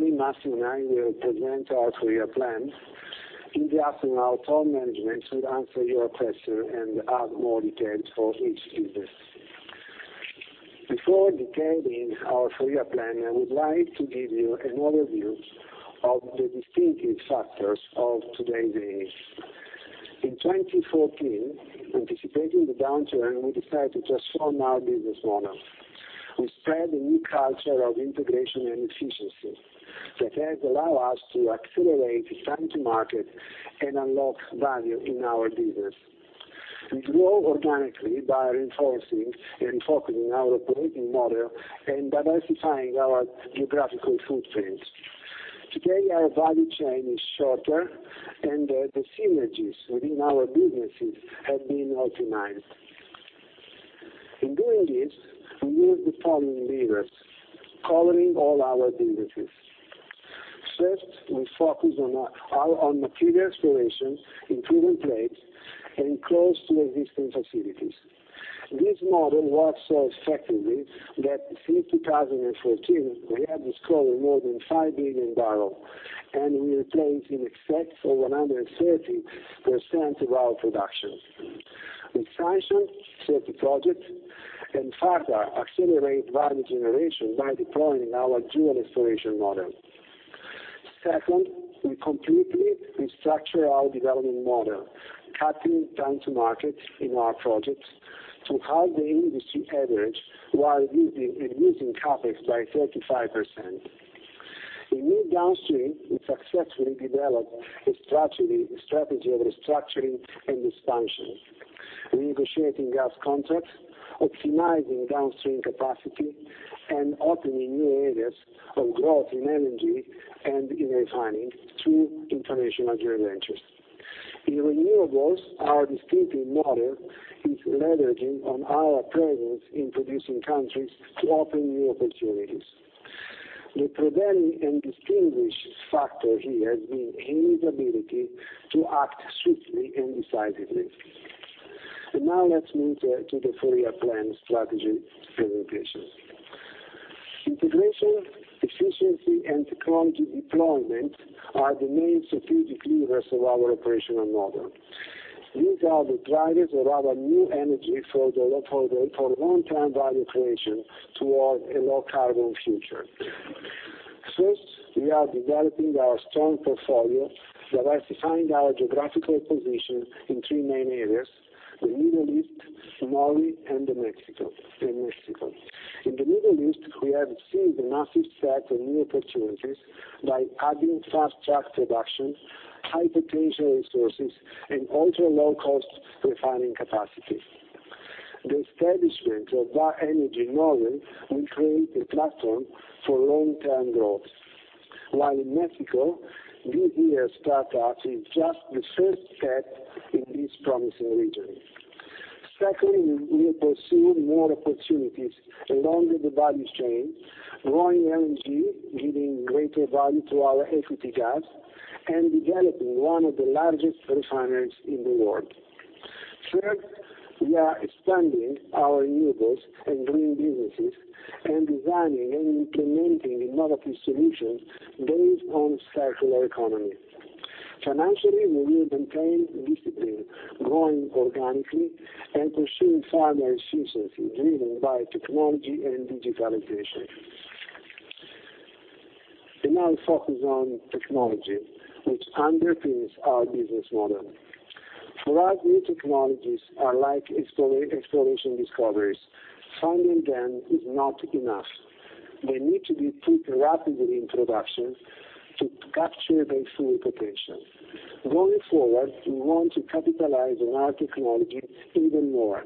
Tony Massimo will present our 3-year plan. In the afternoon, top management should answer your questions and add more details for each business. Before detailing our 3-year plan, I would like to give you an overview of the distinctive factors of today's Eni. In 2014, anticipating the downturn, we decided to transform our business model. We spread a new culture of integration and efficiency that has allowed us to accelerate the time to market and unlock value in our business. We grow organically by reinforcing and focusing on our operating model and diversifying our geographical footprints. Today, our value chain is shorter, and the synergies within our businesses have been optimized. In doing this, we moved the following levers, covering all our businesses. First, we focused on material exploration, including plays, close to existing facilities. This model works so effectively that since 2014, we have discovered more than 5 billion barrels, and we replaced in excess of 130% of our production. We sanctioned 30 projects and further accelerated value generation by deploying our dual exploration model. Second, we completely restructured our development model, cutting time to market in our projects to half the industry average while reducing CapEx by 35%. In midstream, we successfully developed a strategy of restructuring and expansion, renegotiating gas contracts, optimizing downstream capacity, and opening new areas of growth in energy and in refining through international joint ventures. In renewables, our distinctive model is leveraging our presence in producing countries to open new opportunities. The prevailing and distinguishing factor here has been Eni's ability to act swiftly and decisively. Now let's move to the 3-year plan strategy presentation. Integration, efficiency, and technology deployment are the main strategic levers of our operational model. These are the drivers of our new energy for long-term value creation toward a low-carbon future. First, we are developing our strong portfolio, diversifying our geographical position in 3 main areas: the Middle East, Norway, and Mexico. In the Middle East, we have seized massive sets of new opportunities by adding fast-track production, high potential resources, and ultra-low-cost refining capacity. The establishment of that energy model will create a platform for long-term growth. While in Mexico, this year's start-up is just the first step in this promising region. Secondly, we are pursuing more opportunities along the value chain, growing LNG, giving greater value to our equity gas, and developing one of the largest refineries in the world. Third, we are expanding our renewables and green businesses and designing and implementing innovative solutions based on circular economy. Financially, we will maintain discipline, growing organically, and pursuing further efficiency driven by technology and digitalization. We now focus on technology, which underpins our business model. For us, new technologies are like exploration discoveries. Finding them is not enough. They need to be put rapidly in production to capture their full potential. Going forward, we want to capitalize on our technology even more,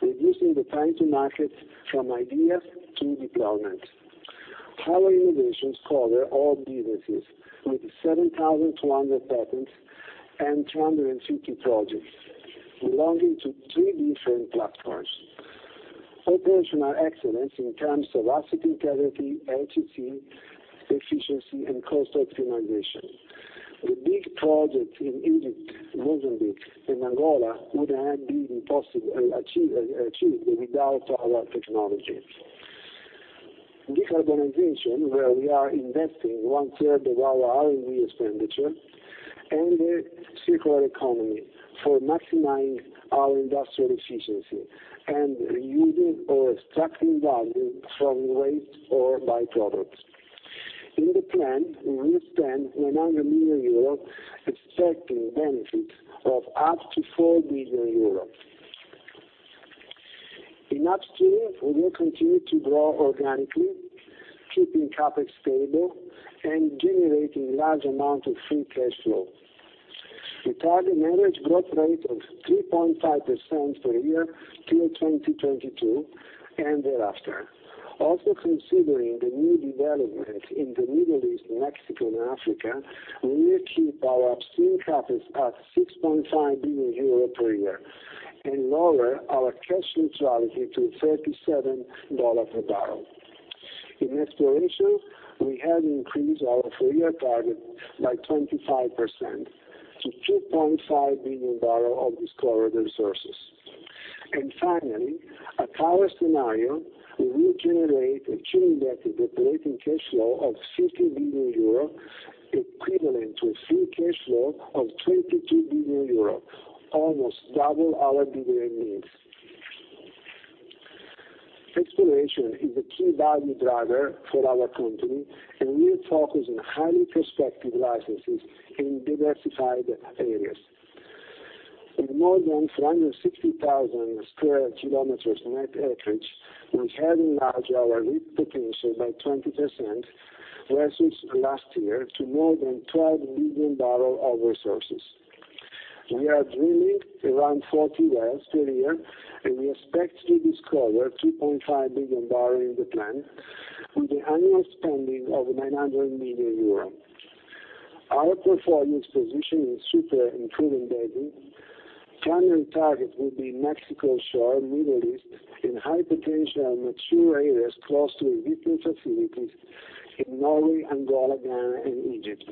reducing the time to market from idea to deployment. Our innovations cover all businesses with 7,200 patents and 250 projects belonging to 3 different platforms. Operational excellence in terms of asset integrity, HSE, efficiency, and cost optimization. The big projects in Egypt, Mozambique, and Angola would not have been possible and achieved without our technology. Decarbonization, where we are investing one-third of our R&D expenditure, the circular economy for maximizing our industrial efficiency and reusing or extracting value from waste or byproducts. In the plan, we will spend 100 million euro, expecting benefits of up to 4 billion euro. In upstream, we will continue to grow organically, keeping CapEx stable, and generating large amounts of free cash flow. The target average growth rate of 3.5% per year till 2022 and thereafter. Considering the new developments in the Middle East, Mexico, and Africa, we will keep our upstream CapEx at 6.5 billion euro per year and lower our cash neutrality to $37 per barrel. In exploration, we have increased our three-year target by 25% to 2.5 billion barrels of discovered resources. Finally, a lower scenario will generate a cumulative operating cash flow of 60 billion euro, equivalent to a free cash flow of 22 billion euro, almost double our dividend needs. Exploration is a key value driver for our company, and we are focused on highly prospective licenses in diversified areas. In more than 460,000 square kilometers net acreage, we have enlarged our risk potential by 20% versus last year to more than 12 billion barrel oil resources. We are drilling around 40 wells per year. We expect to discover 2.5 billion barrel in the plan, with the annual spending of 900 million euros. Our portfolio's position is super and proven basin. Current target will be Mexico offshore, Middle East, and high potential mature areas close to existing facilities in Norway, Angola, Ghana, and Egypt.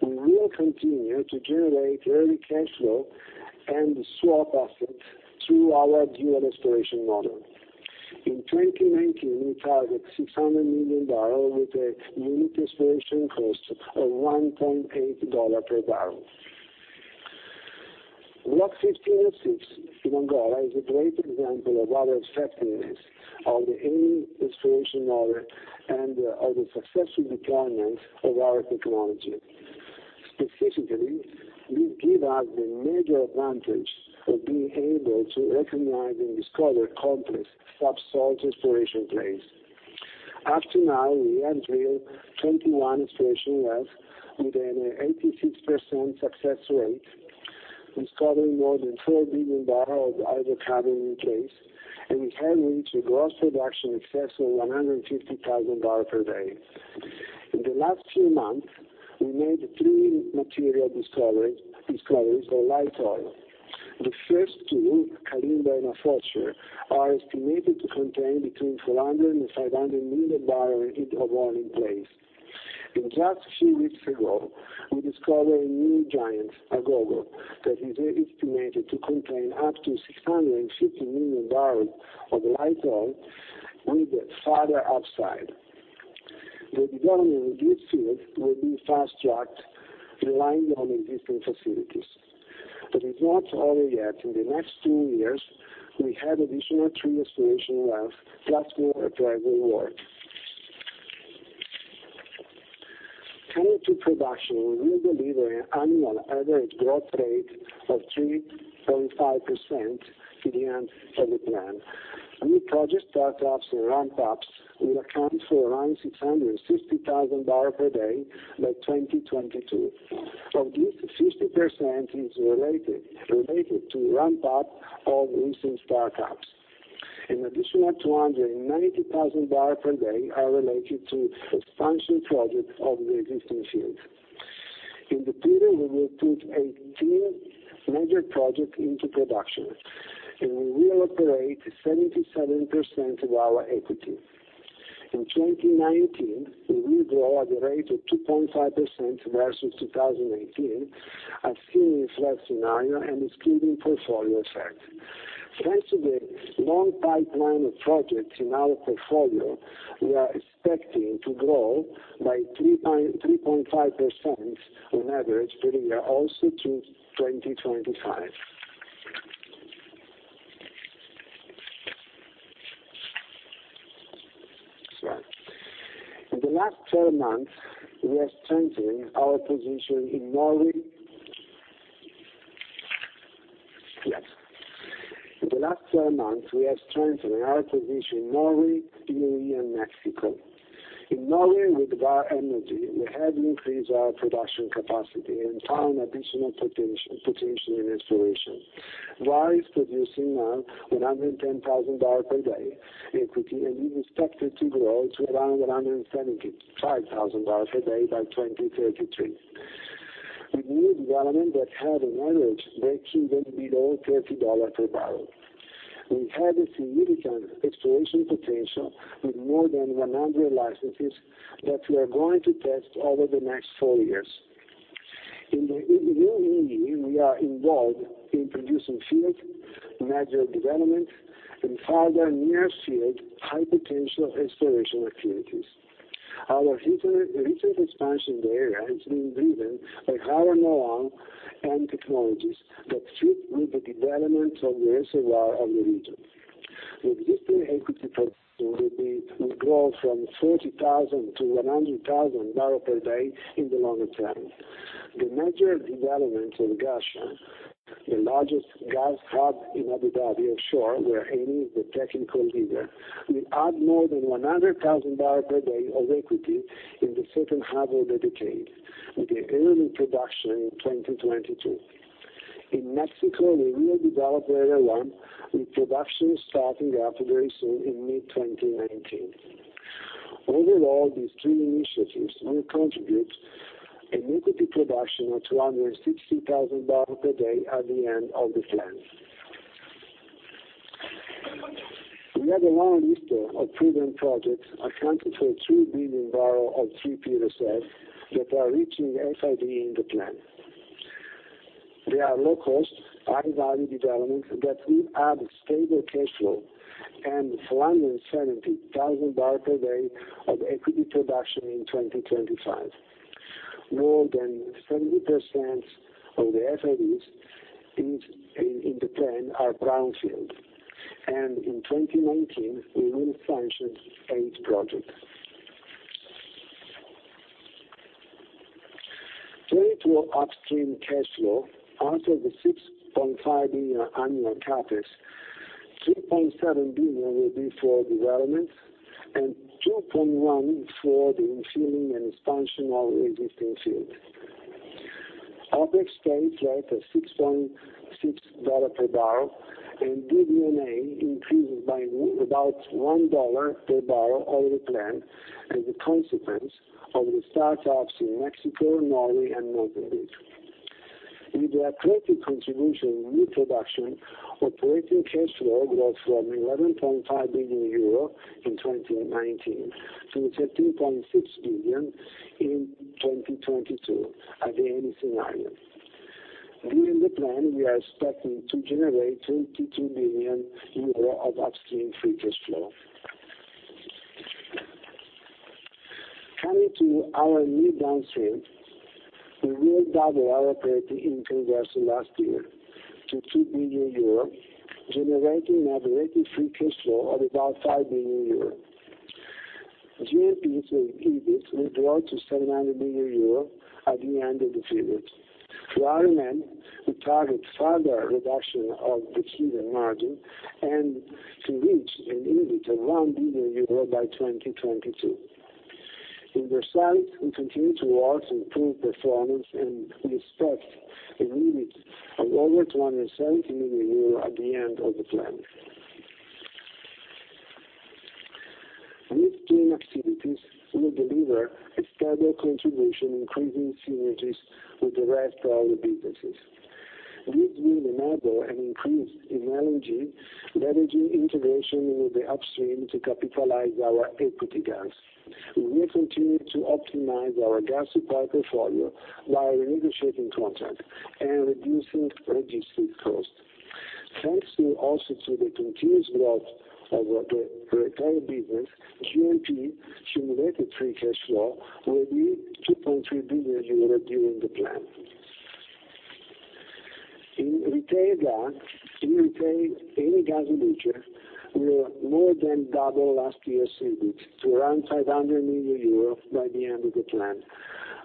We will continue to generate early cash flow and swap assets through our dual exploration model. In 2019, we target 600 million barrel with a unit exploration cost of $1.8 per barrel. Block 15/06 in Angola is a great example of our effectiveness of the Eni exploration model and of the successful deployment of our technology. Specifically, this give us the major advantage of being able to recognize and discover complex subsalt exploration plays. Up to now, we have drilled 21 exploration wells with an 86% success rate, discovering more than 4 billion barrel of hydrocarbon in place. We have reached a gross production in excess of 150,000 barrel per day. In the last few months, we made three material discoveries of light oil. The first two, Kalimba and Afoxé, are estimated to contain between 400 and 500 million barrel of oil in place. Just a few weeks ago, we discovered a new giant, Agogo, that is estimated to contain up to 650 million barrels of light oil with further upside. The development of this field will be fast-tracked, relying on existing facilities. It's not over yet. In the next two years, we have additional three exploration wells plus more appraisal work. Turning to production, we will deliver annual average growth rate of 3.5% till the end of the plan. New project startups or ramp-ups will account for around 660,000 barrel per day by 2022. Of this, 50% is related to ramp-up of recent startups. An additional 290,000 barrel per day are related to expansion projects of the existing fields. In the period, we will put 18 major projects into production. We will operate 77% of our equity. In 2019, we will grow at the rate of 2.5% versus 2018 as seen in flat scenario and excluding portfolio effect. Thanks to the long pipeline of projects in our portfolio, we are expecting to grow by 3.5% on average per year also through 2025. In the last 12 months, we are strengthening our position in Norway, Italy, and Mexico. In Norway, with Vår Energi, we have increased our production capacity and found additional potential in exploration. Vår Energi is producing now 110,000 barrel per day equity, and we expect it to grow to around 175,000 barrel per day by 2033. With new development that have an average breakeven below $30 per barrel. We have a significant exploration potential with more than 100 licenses that we are going to test over the next four years. In the UAE, we are involved in producing field, major development, and further near-field high-potential exploration activities. Our recent expansion there has been driven by our know-how and technologies that fit with the development of the reservoir of the region. The existing equity production will grow from 40,000 to 100,000 barrel per day in the longer term. The major development in Ghasha, the largest gas hub in Abu Dhabi offshore, where Eni is the technical leader, will add more than 100,000 barrel per day of equity in the second half of the decade, with the early production in 2022. In Mexico, we will develop Area 1, with production starting up very soon in mid-2019. Overall, these three initiatives will contribute an equity production of 260,000 barrel per day at the end of the plan. We have a long list of proven projects accounting for 2 billion barrel of 3P reserves that are reaching FID in the plan. They are low cost, high value developments that will add stable cash flow and 170,000 barrel per day of equity production in 2025. More than 70% of the FID in the plan are brownfield, and in 2019, we will sanction eight projects. Turning to Upstream cash flow, out of the 6.5 billion annual CapEx, 3.7 billion will be for development and 2.1 for the infilling and expansion of existing fields. OpEx stays flat at EUR 6.6 per barrel, and DD&A increases by about EUR 1 per barrel over the plan as a consequence of the start-ups in Mexico, Norway, and Mozambique. With the accredited contribution of new production, operating cash flow grows from 11.5 billion euro in 2019 to 13.6 billion in 2022 at the end scenario. During the plan, we are expecting to generate 22 billion euro of Upstream free cash flow. Coming to our mid downstream, we will double our operating interest last year to 2 billion euro, generating net working free cash flow of about 5 billion euro. G&P to EBIT will grow to 700 million euro at the end of the period. For R&M, we target further reduction of the EBITDA margin and to reach an EBIT of around EUR 1 billion by 2022. In the site, we continue to work to improve performance, and we expect an EBIT of over 270 million euro at the end of the plan. Midstream activities will deliver a stable contribution, increasing synergies with the rest of the businesses. This will enable an increase in LNG, leveraging integration with the Upstream to capitalize our equity gas. We will continue to optimize our gas supply portfolio while renegotiating contract and reducing registry cost. Thanks also to the continuous growth of the retail business, G&P cumulative free cash flow will be 2.3 billion euro during the plan. In retail gas, in retail, Eni gas e luce, will more than double last year's EBIT to around 500 million euros by the end of the plan.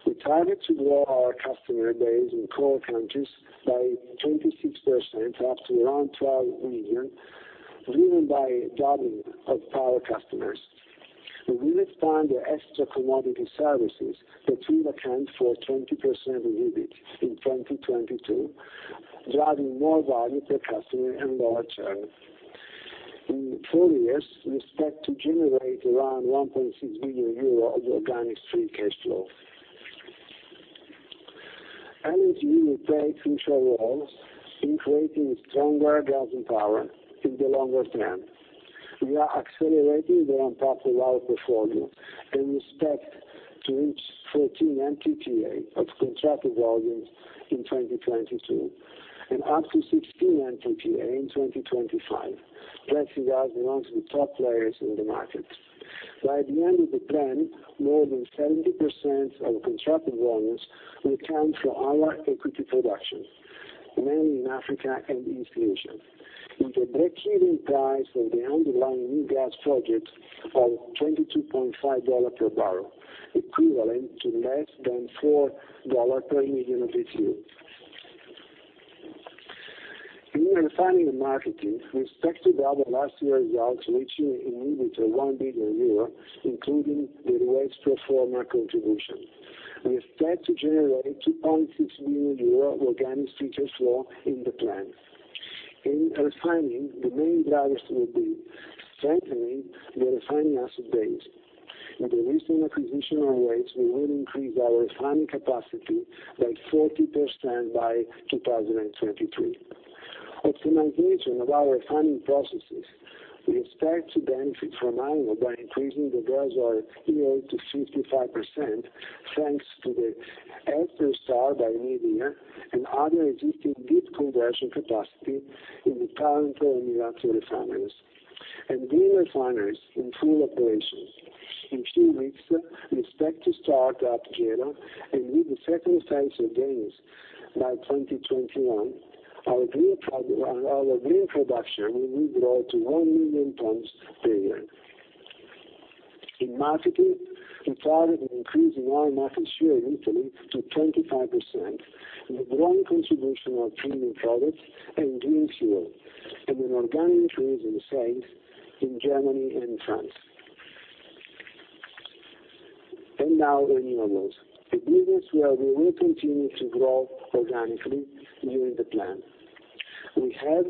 We target to grow our customer base in core countries by 26% up to around 12 million, driven by doubling of power customers. We will expand the extra commodity services that will account for 20% of EBIT in 2022, driving more value per customer and lower churn. In four years, we expect to generate around 1.6 billion euros of organic free cash flow. LNG Retail future roles in creating stronger gas and power in the longer term. We are accelerating the unbundled offer portfolio and expect to reach 14 MTPA of contracted volumes in 2022 and up to 16 MTPA in 2025, placing us amongst the top players in the market. By the end of the plan, more than 70% of contracted volumes will come from our equity production, mainly in Africa and East Asia. With a break-even price for the underlying new gas projects of $22.5 per barrel, equivalent to less than $4 per million BTU. In Refining and Marketing, we expect to double last year's results, reaching an EBIT of 1 billion euro, including the Waste pro forma contribution. We expect to generate 2.6 billion euro organic free cash flow in the plan. In refining, the main drivers will be strengthening the refining asset base. With the recent acquisition of Waste, we will increase our refining capacity by 40% by 2023. Optimization of our refining processes, we expect to benefit from Agogo by increasing the gross oil yield to 55% thanks to the [Extra Star by Media] and other existing deep conversion capacity in the Taranto and Milazzo refineries. Green refineries in full operation. In two weeks, we expect to start up Gela and with the phase 2 of gains by 2021, our green production will grow to 1 million tons per year. In marketing, we target an increase in our market share in Italy to 25%, with growing contribution of premium products and green fuel, an organic increase in sales in Germany and France. Now Renewables, a business where we will continue to grow organically during the plan. We have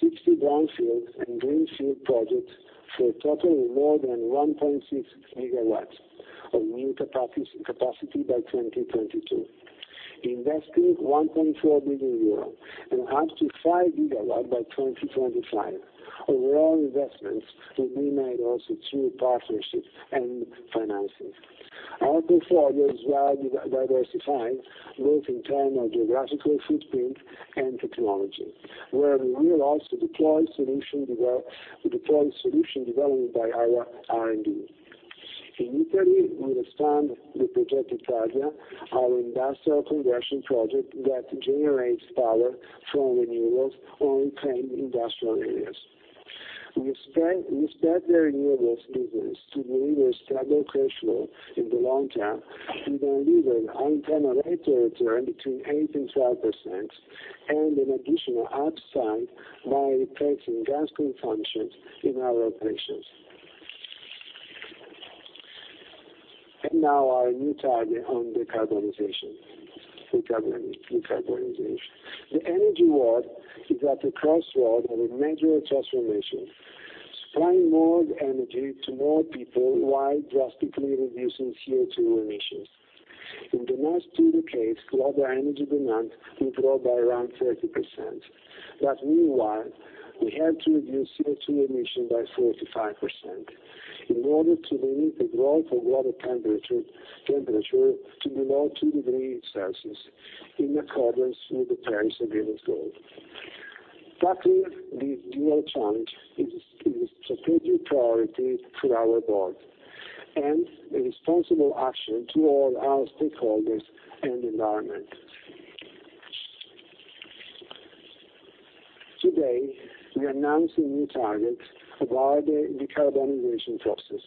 60 brownfield and greenfield projects for a total of more than 1.6 gigawatts of new capacity by 2022. Investing 1.4 billion euros and up to five gigawatts by 2025. Overall investments will be made also through partnerships and financings. Our portfolio is well-diversified, both in terms of geographical footprint and technology, where we will also deploy solution development by our R&D. In Italy, we understand the Project Italia, our industrial conversion project that generates power from renewables on 10 industrial areas. We start the renewables business to deliver a stable cash flow in the long term. We deliver an internal rate of return between 8% and 12%, and an additional upside by replacing gas consumption in our operations. Now our new target on the decarbonization. The energy world is at a crossroad of a major transformation, supplying more energy to more people while drastically reducing CO2 emissions. In the next two decades, global energy demand will grow by around 30%. Meanwhile, we have to reduce CO2 emission by 45% in order to limit the growth of global temperature to below two degrees Celsius, in accordance with the Paris Agreement goal. Tackling this dual challenge is a strategic priority to our board and a responsible action to all our stakeholders and environment. Today, we are announcing new targets about the decarbonization process.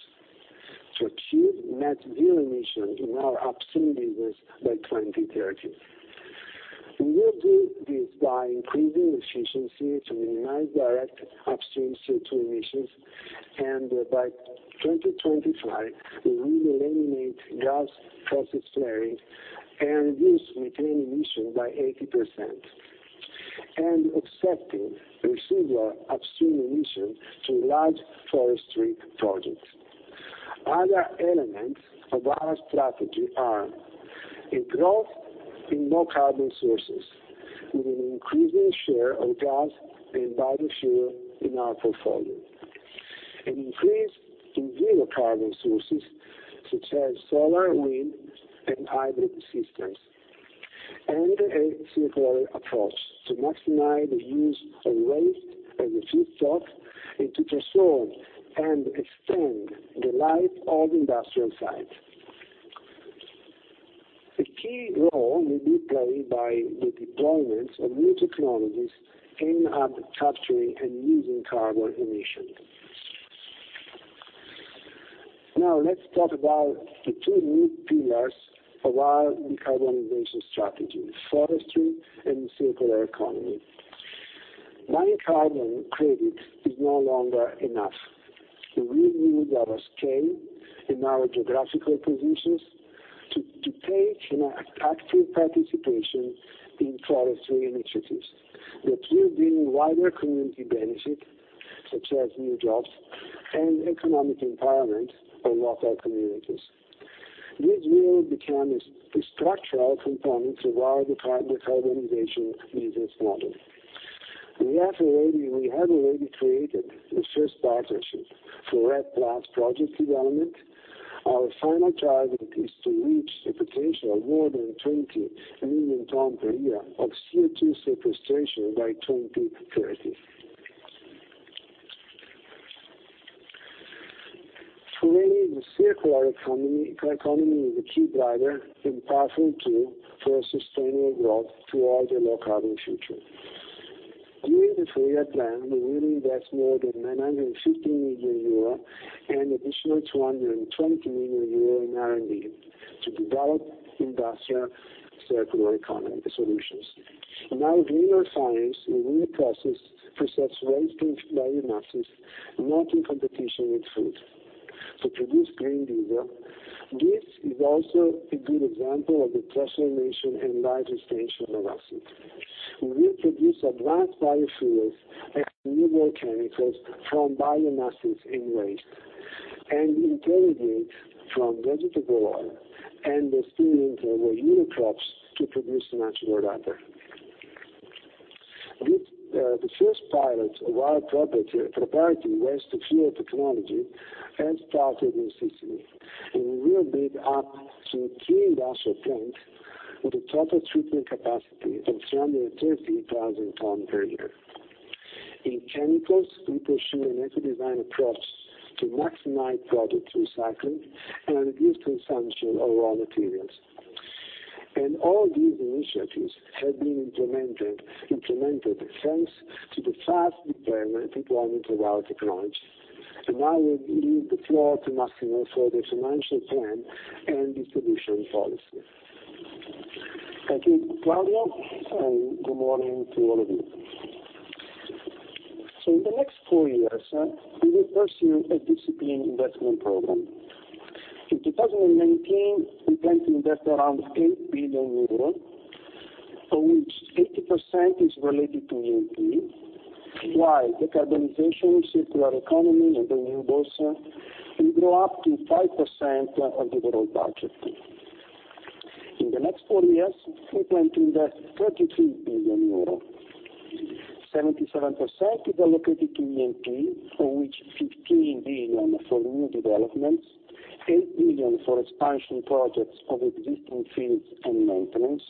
To achieve net zero emissions in our upstream business by 2030. We will do this by increasing efficiency to minimize direct upstream CO2 emissions, and by 2025, we will eliminate gas process flaring and reduce methane emissions by 80%, and accepting residual upstream emissions through large forestry projects. Other elements of our strategy are: a growth in low-carbon sources, with an increasing share of gas and biofuel in our portfolio; an increase in zero-carbon sources, such as solar, wind, and hybrid systems; and a circular approach to maximize the use of waste and refuse stock, and to preserve and extend the life of industrial sites. A key role will be played by the deployment of new technologies aimed at capturing and using carbon emissions. Let's talk about the two new pillars of our decarbonization strategy, forestry and circular economy. Buying carbon credits is no longer enough. We will use our scale and our geographical positions to take an active participation in forestry initiatives that will bring wider community benefit, such as new jobs and economic empowerment of local communities. This will become a structural component of our decarbonization business model. We have already created the first partnership for REDD+ project development. Our final target is to reach the potential of more than 20 million tons per year of CO2 sequestration by 2030. For Eni, the circular economy is a key driver and powerful tool for sustainable growth toward a low-carbon future. During the three-year plan, we will invest more than 950 million euro and additional 220 million euro in R&D to develop industrial circular economy solutions. In our refinery sites, we will process waste biomass, not in competition with food, to produce green diesel. This is also a good example of the transformation and valorization of assets. We will produce advanced biofuels and renewable chemicals from biomasses in waste and integrate from vegetable oil and the steam from our unit crops to produce much more output. The first pilot of our proprietary waste-to-fuel technology has started in Sicily, and we will build up to three industrial plants with a total treatment capacity of 330,000 tons per year. In chemicals, we pursue an eco-design approach to maximize product recycling and reduce consumption of raw materials. All these initiatives have been implemented, thanks to the fast deployment of our technology. Now I will give the floor to Massimo for the financial plan and distribution policy. Thank you, Claudio, and good morning to all of you. In the next four years, we will pursue a disciplined investment program. In 2019, we plan to invest around 8 billion euros. Of which 80% is related to E&P, while decarbonization, circular economy, and the renewables will grow up to 5% of the overall budget. In the next four years, we plan to invest 33 billion euro. 77% is allocated to E&P, of which 15 billion for new developments, 8 billion for expansion projects of existing fields and maintenance,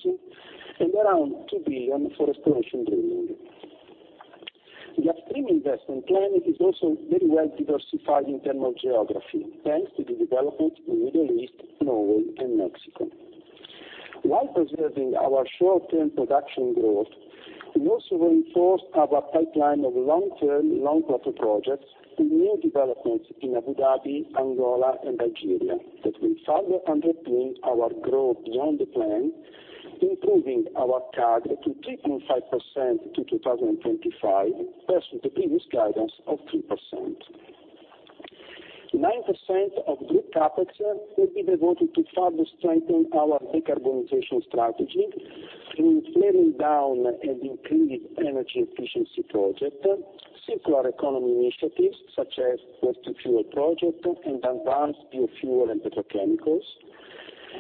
and around 2 billion for exploration drilling. The upstream investment plan is also very well diversified in term of geography, thanks to the development in Middle East, Norway, and Mexico. While preserving our short-term production growth, we also reinforced our pipeline of long-term, long project projects and new developments in Abu Dhabi, Angola, and Algeria that will further underpin our growth beyond the plan, improving our CAGR to 3.5% to 2025, versus the previous guidance of 3%. 9% of group CapEx will be devoted to further strengthen our decarbonization strategy through flaring down and increased energy efficiency project, circular economy initiatives such as waste-to-fuel project enhanced biofuel and petrochemicals,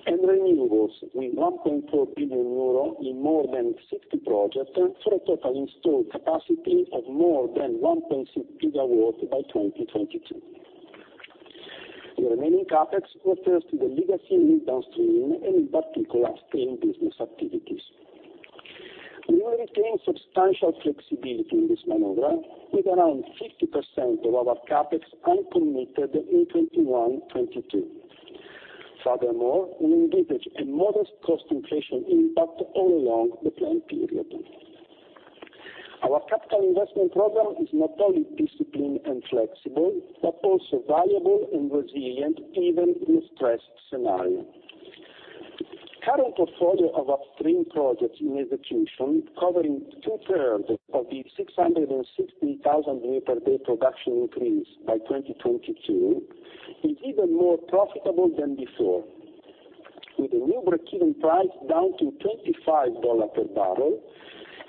and renewables with 1.4 billion euro in more than 60 projects for a total installed capacity of more than 1.6 gigawatts by 2022. The remaining CapEx refers to the legacy in Midstream and, in particular, same business activities. We will retain substantial flexibility in this maneuver with around 50% of our CapEx uncommitted in 2021, 2022. We envisage a modest cost inflation impact all along the plan period. Our capital investment program is not only disciplined and flexible, but also valuable and resilient even in a stressed scenario. Current portfolio of Upstream projects in execution, covering two-thirds of the 660,000 barrel per day production increase by 2022, is even more profitable than before, with a new breakeven price down to $25 per barrel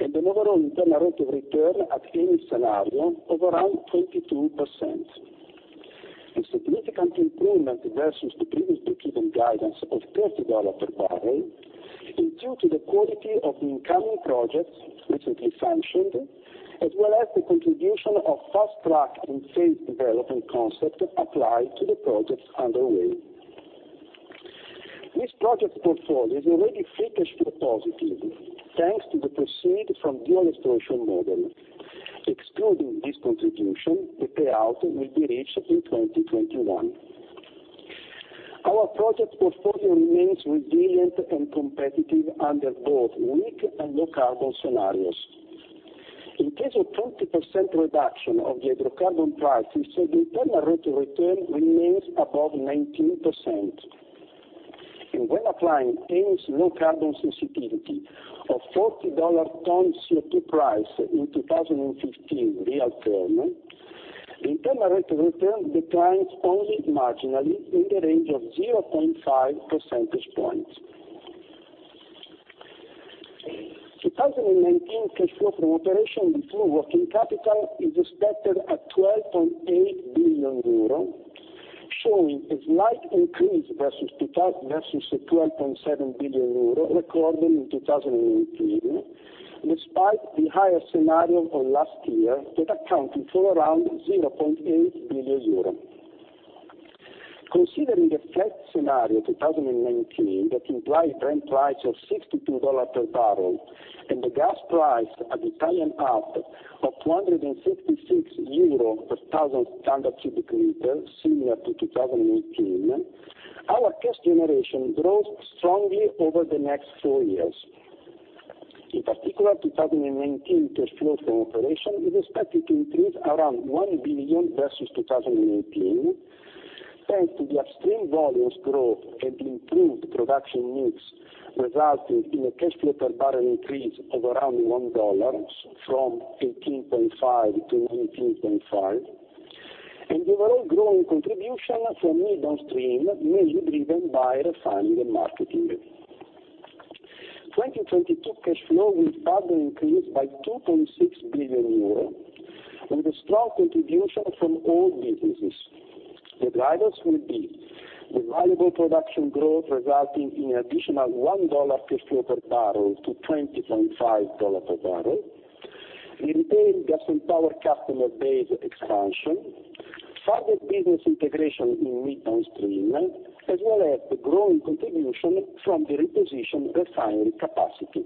and an overall internal rate of return at any scenario of around 22%. A significant improvement versus the previously given guidance of $30 per barrel is due to the quality of the incoming projects recently sanctioned, as well as the contribution of fast track and phased development concept applied to the projects underway. This project portfolio is already free cash flow positive, thanks to the proceed from dual exploration model. Excluding this contribution, the payout will be reached in 2021. Our project portfolio remains resilient and competitive under both weak and low carbon scenarios. In case of 20% reduction of the hydrocarbon prices, the internal rate of return remains above 19%. When applying Eni's low carbon sensitivity of $40 ton CO2 price in 2015 real term, internal rate of return declines only marginally in the range of 0.5 percentage points. 2019 cash flow from operation before working capital is expected at 12.8 billion euro, showing a slight increase versus the 12.7 billion euro recorded in 2018, despite the higher scenario of last year that accounted for around 0.8 billion euro. Considering a flat scenario 2019 that implies Brent price of $62 per barrel and the gas price at Italian hub of 166 euros per 1,000 standard cubic meter, similar to 2018, our cash generation grows strongly over the next four years. In particular, 2019 cash flow from operation is expected to increase around 1 billion versus 2018, thanks to the Upstream volumes growth and improved production mix, resulting in a cash flow per barrel increase of around $1 from $18.5 to $19.5, and overall growing contribution from Midstream, mainly driven by Refining and Marketing. 2022 cash flow will further increase by 2.6 billion euros, with a strong contribution from all businesses. The drivers will be the valuable production growth resulting in additional $1 cash flow per barrel to $20.5 per barrel, the retained Gas and Power customer base expansion, further business integration in Midstream, as well as the growing contribution from the repositioned refinery capacity.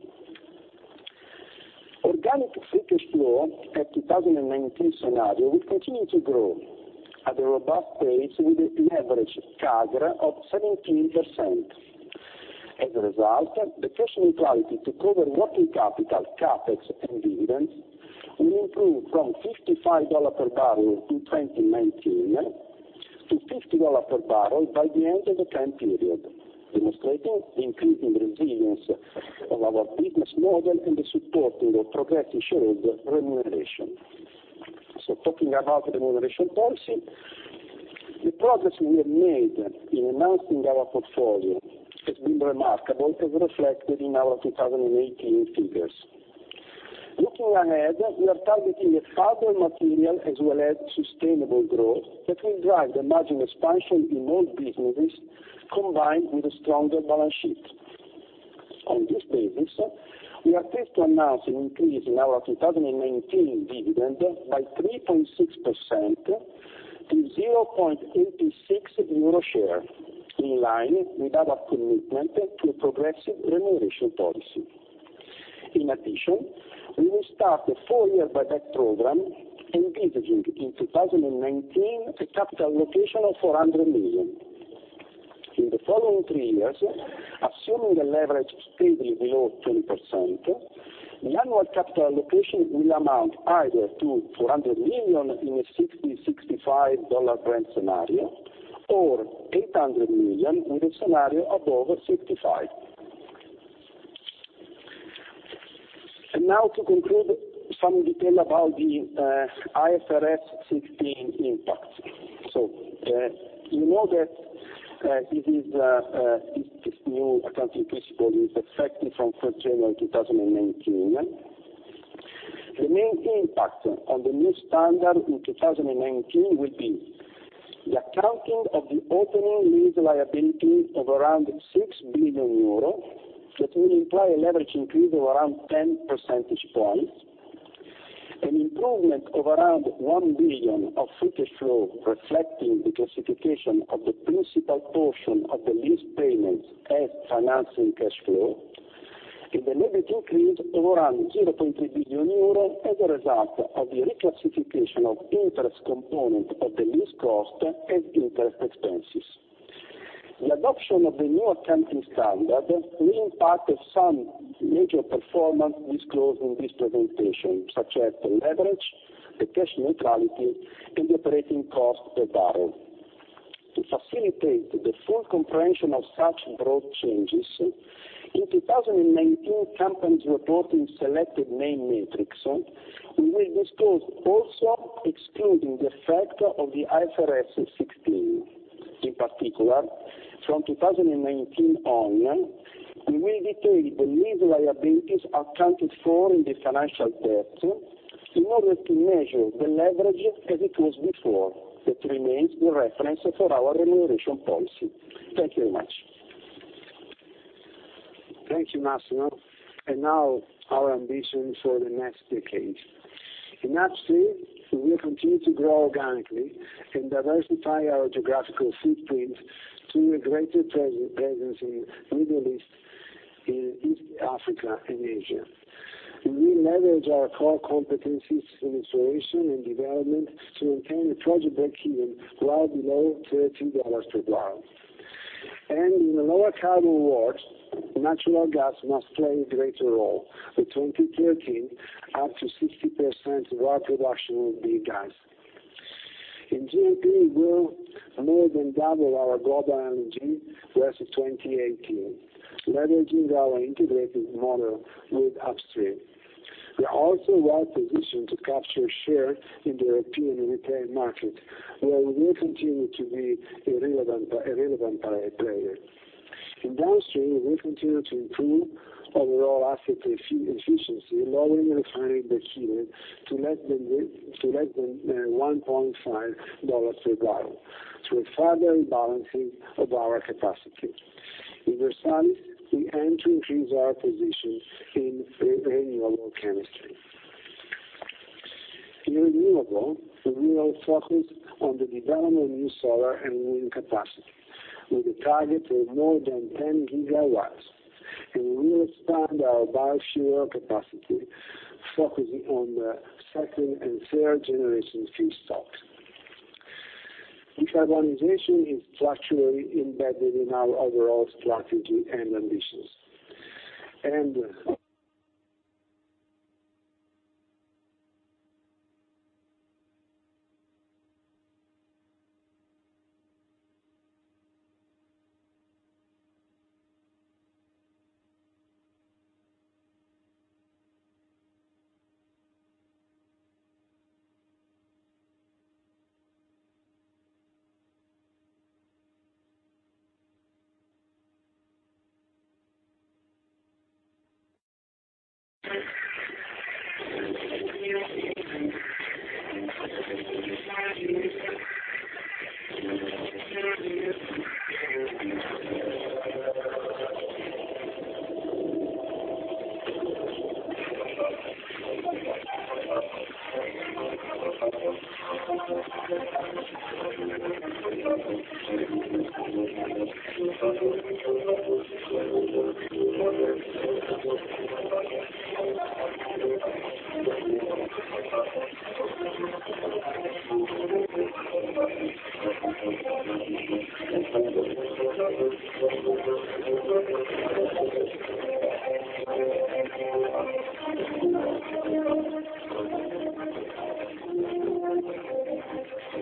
Organic free cash flow at 2019 scenario will continue to grow at a robust pace with an average CAGR of 17%. As a result, the cash neutrality to cover working capital, CapEx, and dividends will improve from $55 per barrel in 2019 to $50 per barrel by the end of the plan period, demonstrating the increasing resilience of our business model and the support in the progressive shareholder remuneration. Talking about the remuneration policy, the progress we have made in enhancing our portfolio has been remarkable, as reflected in our 2018 figures. Looking ahead, we are targeting a further material as well as sustainable growth that will drive the margin expansion in all businesses, combined with a stronger balance sheet. On this basis, we are pleased to announce an increase in our 2019 dividend by 3.6% to 0.86 euro share, in line with our commitment to a progressive remuneration policy. In addition, we will start a four-year buyback program, envisaging in 2019 a capital allocation of 400 million. In the following three years, assuming a leverage steadily below 20%, the annual capital allocation will amount either to 400 million in a $60-$65 Brent scenario, or 800 million in a scenario above $65. Now to conclude, some detail about the IFRS 16 impact. You know that this new accounting principle is effective from 1st January 2019. The main impact on the new standard in 2019 will be the accounting of the opening lease liability of around 6 billion euro, that will imply a leverage increase of around 10 percentage points, an improvement of around 1 billion of free cash flow, reflecting the classification of the principal portion of the lease payments as financing cash flow, and an EBITDA increase of around 0.3 billion euro as a result of the reclassification of interest component of the lease cost as interest expenses. The adoption of the new accounting standard may impact some major performance disclosed in this presentation, such as the leverage, the cash neutrality, and the operating cost per barrel. To facilitate the full comprehension of such broad changes, in 2019, companies reporting selected main metrics, we will disclose also excluding the effect of the IFRS 16. In particular, from 2019 on, we will detail the lease liabilities accounted for in the financial debt in order to measure the leverage as it was before. That remains the reference for our remuneration policy. Thank you very much. Thank you, Massimo. Now our ambition for the next decade. In Upstream, we will continue to grow organically and diversify our geographical footprint through a greater presence in Middle East, in East Africa, and Asia. We will leverage our core competencies in exploration and development to maintain a project breakeven well below $30 per barrel. In a lower carbon world, natural gas must play a greater role. By 2030, up to 60% of our production will be gas. In LNG, we will more than double our global LNG versus 2018, leveraging our integrated model with Upstream. We are also well positioned to capture share in the European retail market, where we will continue to be a relevant player. In Downstream, we will continue to improve overall asset efficiency, lowering refining breakeven to less than $1.5 per barrel through a further balancing of our capacity. In refines, we aim to increase our position in renewable chemistry. In Renewable, we will focus on the development of new solar and wind capacity, with a target of more than 10 gigawatts, and we will expand our biofuel capacity, focusing on the second and third-generation feedstocks. Decarbonization is structurally embedded in our overall strategy and ambitions. Okay.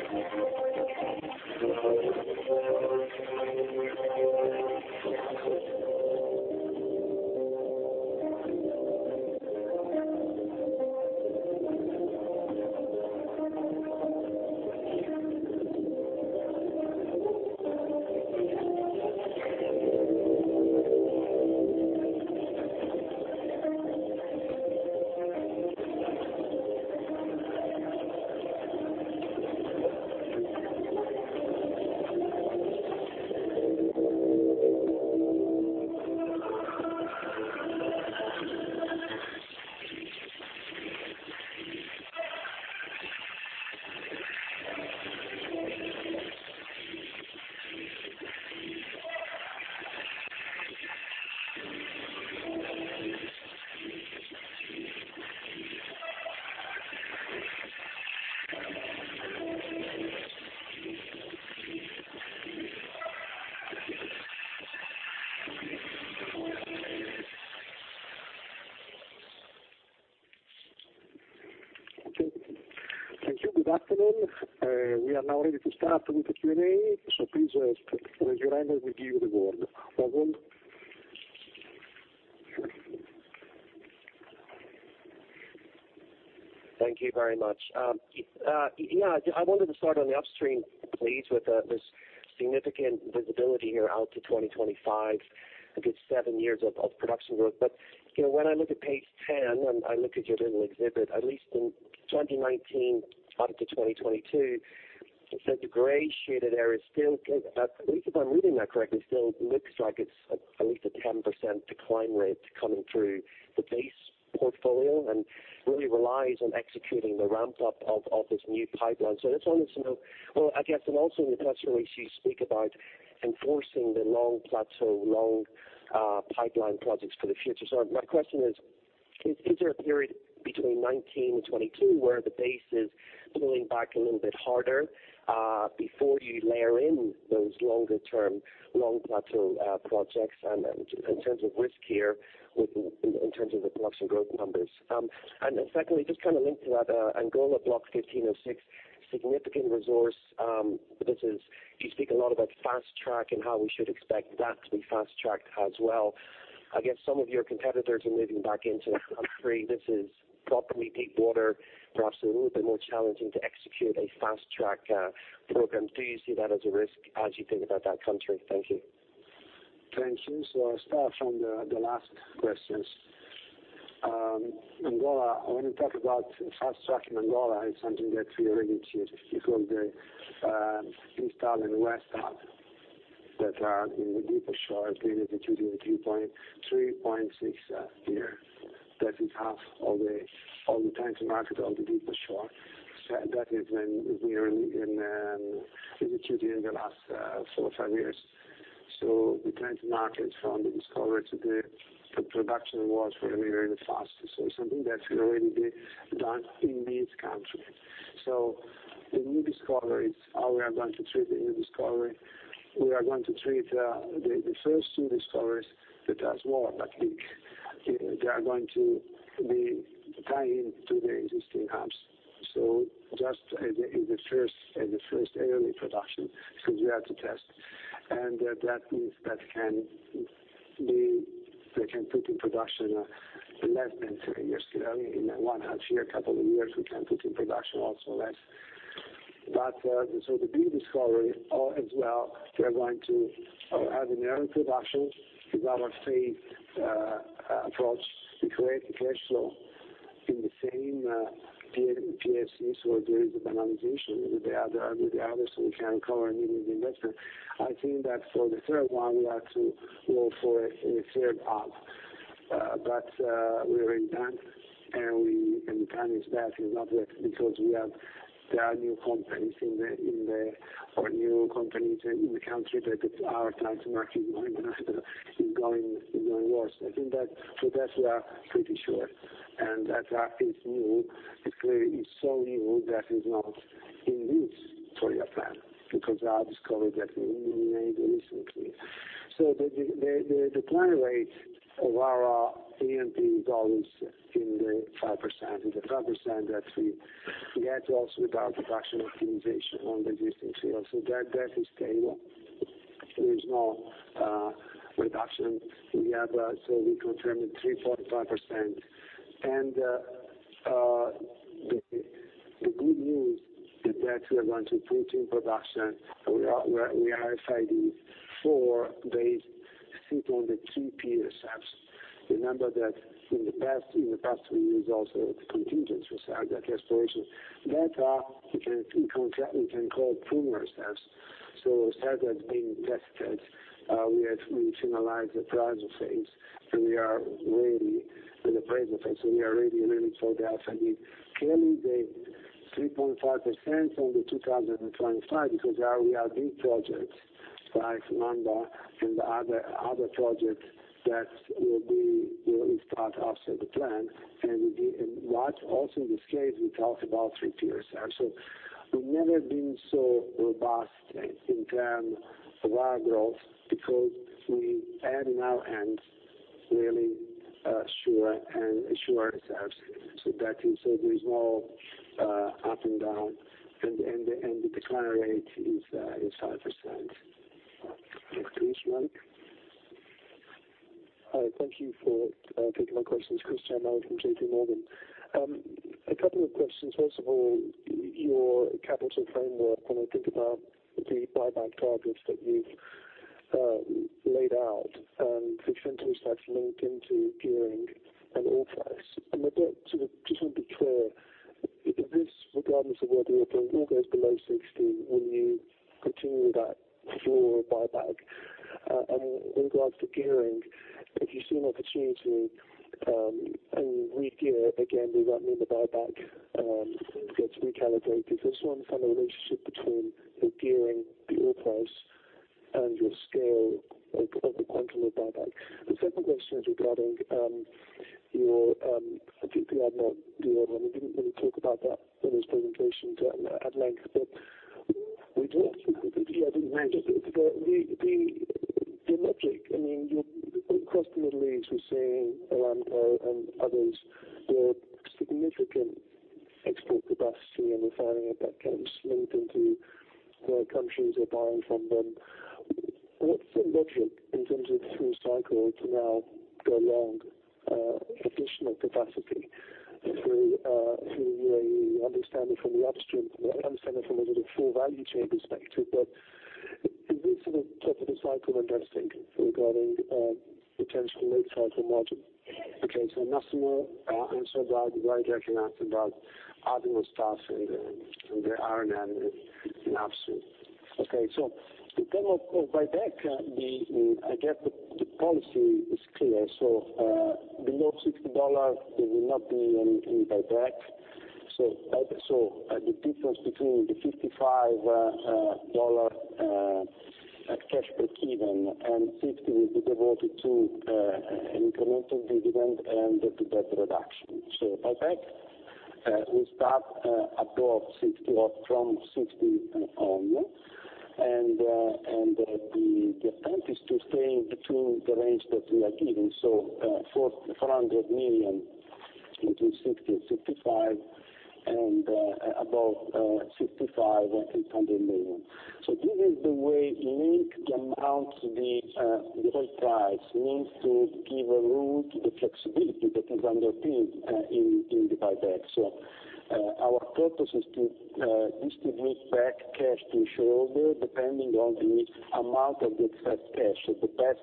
Thank you. Good afternoon. We are now ready to start with the Q&A, please raise your hand and we'll give you the word. Pavel? Thank you very much. I wanted to start on the upstream, please, with this significant visibility here out to 2025, a good seven years of production growth. When I look at page 10 and I look at your little exhibit, at least in 2019 up to 2022, the gray shaded area, at least if I'm reading that correctly, still looks like it's at least a 10% decline rate coming through the base portfolio, really relies on executing the ramp-up of this new pipeline. I just wanted to know, also in the press release, you speak about enforcing the long plateau, long pipeline projects for the future. My question is there a period between 2019 and 2022 where the base is pulling back a little bit harder, before you layer in those longer term, long plateau projects in terms of risk here, in terms of the production growth numbers? Secondly, just linked to that, Angola Block 15/06, significant resource. You speak a lot about fast track and how we should expect that to be fast tracked as well. I guess some of your competitors are moving back into the country. This is properly deep water, perhaps a little bit more challenging to execute a fast track program. Do you see that as a risk as you think about that country? Thank you. Thank you. I start from the last questions. Angola, when we talk about fast tracking Angola, it's something that we already achieved because the East Hub and West Hub that are in the deeper shore have been executing the 3.6 here. That is half all the time to market on the deeper shore. That has been executed in the last four or five years. The time to market from the discovery to the production was for me really fast. Something that has already been done in this country. The new discoveries, how we are going to treat the new discovery, we are going to treat the first two discoveries that as well, but they are going to be tied in to the existing hubs. Just in the first early production, because we have to test, and that means that they can put in production less than three years. In one, actually a couple of years, we can put in production also less. The big discovery as well, we are going to have an early production because our safe approach to create the cash flow in the same PSC, so during the monetization with the others, we can cover immediately investment. I think that for the third one, we have to go for a third hub. We already done and we can manage that because there are new companies in the country that our time to market is going worse. I think that for that, we are pretty sure, and that is new. It clearly is so new that is not in this three-year plan, because they are discoveries that we made recently. The decline rate of our E&P goes in the 5%, and the 5% that we get also with our production optimization on the existing fields. That is stable. There is no reduction. We confirm the 3.5%. The good news is that we are going to put in production, we are identifying four based, I think, on the 2P reserves. Remember that in the past three years also, the contingents we said that exploration, that we can call it primer steps. Instead of being tested, we have really internalized the process and we are ready in the process, so we are really running for the 3.5% on the 2025, because there we have big projects, like Nené and the other projects that will be really part also of the plan. What also in this case, we talk about 3P reserves. We've never been so robust in term of our growth because we have in our hands really sure ourselves. There is no up and down, and the decline rate is 5%. Chris, Mike. Thank you for taking my questions. Chris Jamart from JP Morgan. A couple of questions. First of all, your capital framework, when I think about the buyback targets that you've laid out, and the trends that's linked into gearing and oil price. I just want to be clear, is this regardless of whether oil goes below 60, will you continue that floor buyback? In regards to gearing, if you see an opportunity and re-gear again, will that mean the buyback gets recalibrated? Because I just want to understand the relationship between the gearing, the oil price, and your scale of the quantum of buyback. The second question is regarding your GP Adnoc deal, we didn't really talk about that in this presentation at length, but we'd love to. The logic, across the Middle East, we're seeing Aramco and others do a significant export capacity and refining that comes linked into the countries they're buying from them. What's the logic in terms of through cycle to now go around additional capacity through your understanding from the upstream, from understanding from a sort of full value chain perspective? Is this sort of typical cycle investing regarding potential late cycle margin? Nothing more answer about Abu and stuff and the R&M in upstream. In term of buyback, I get the policy is clear. Below $60, there will not be any buyback. The difference between the $55 cash break even and $60 will be devoted to incremental dividend and debt reduction. Buyback will start above $60 or from $60 on. The attempt is to stay between the range that we are giving. 400 million between $60 and $65, and above $65 and 800 million. This is the way link the amount, the oil price needs to give a room to the flexibility that is underpinned in the buyback. Our purpose is to distribute back cash to shareholder depending on the amount of the excess cash. The best,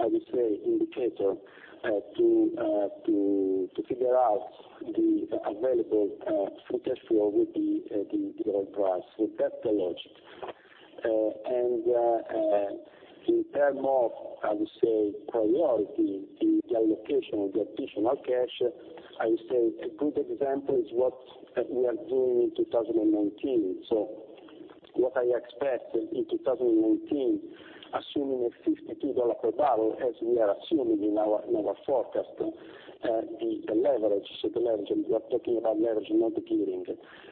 I would say, indicator to figure out the available free cash flow will be the oil price. That's the logic. In term of, I would say, priority in the allocation of the additional cash, I would say a good example is what we are doing in 2019. What I expect in 2019, assuming a $52 per barrel, as we are assuming in our forecast, the leverage, we are talking about leverage not gearing,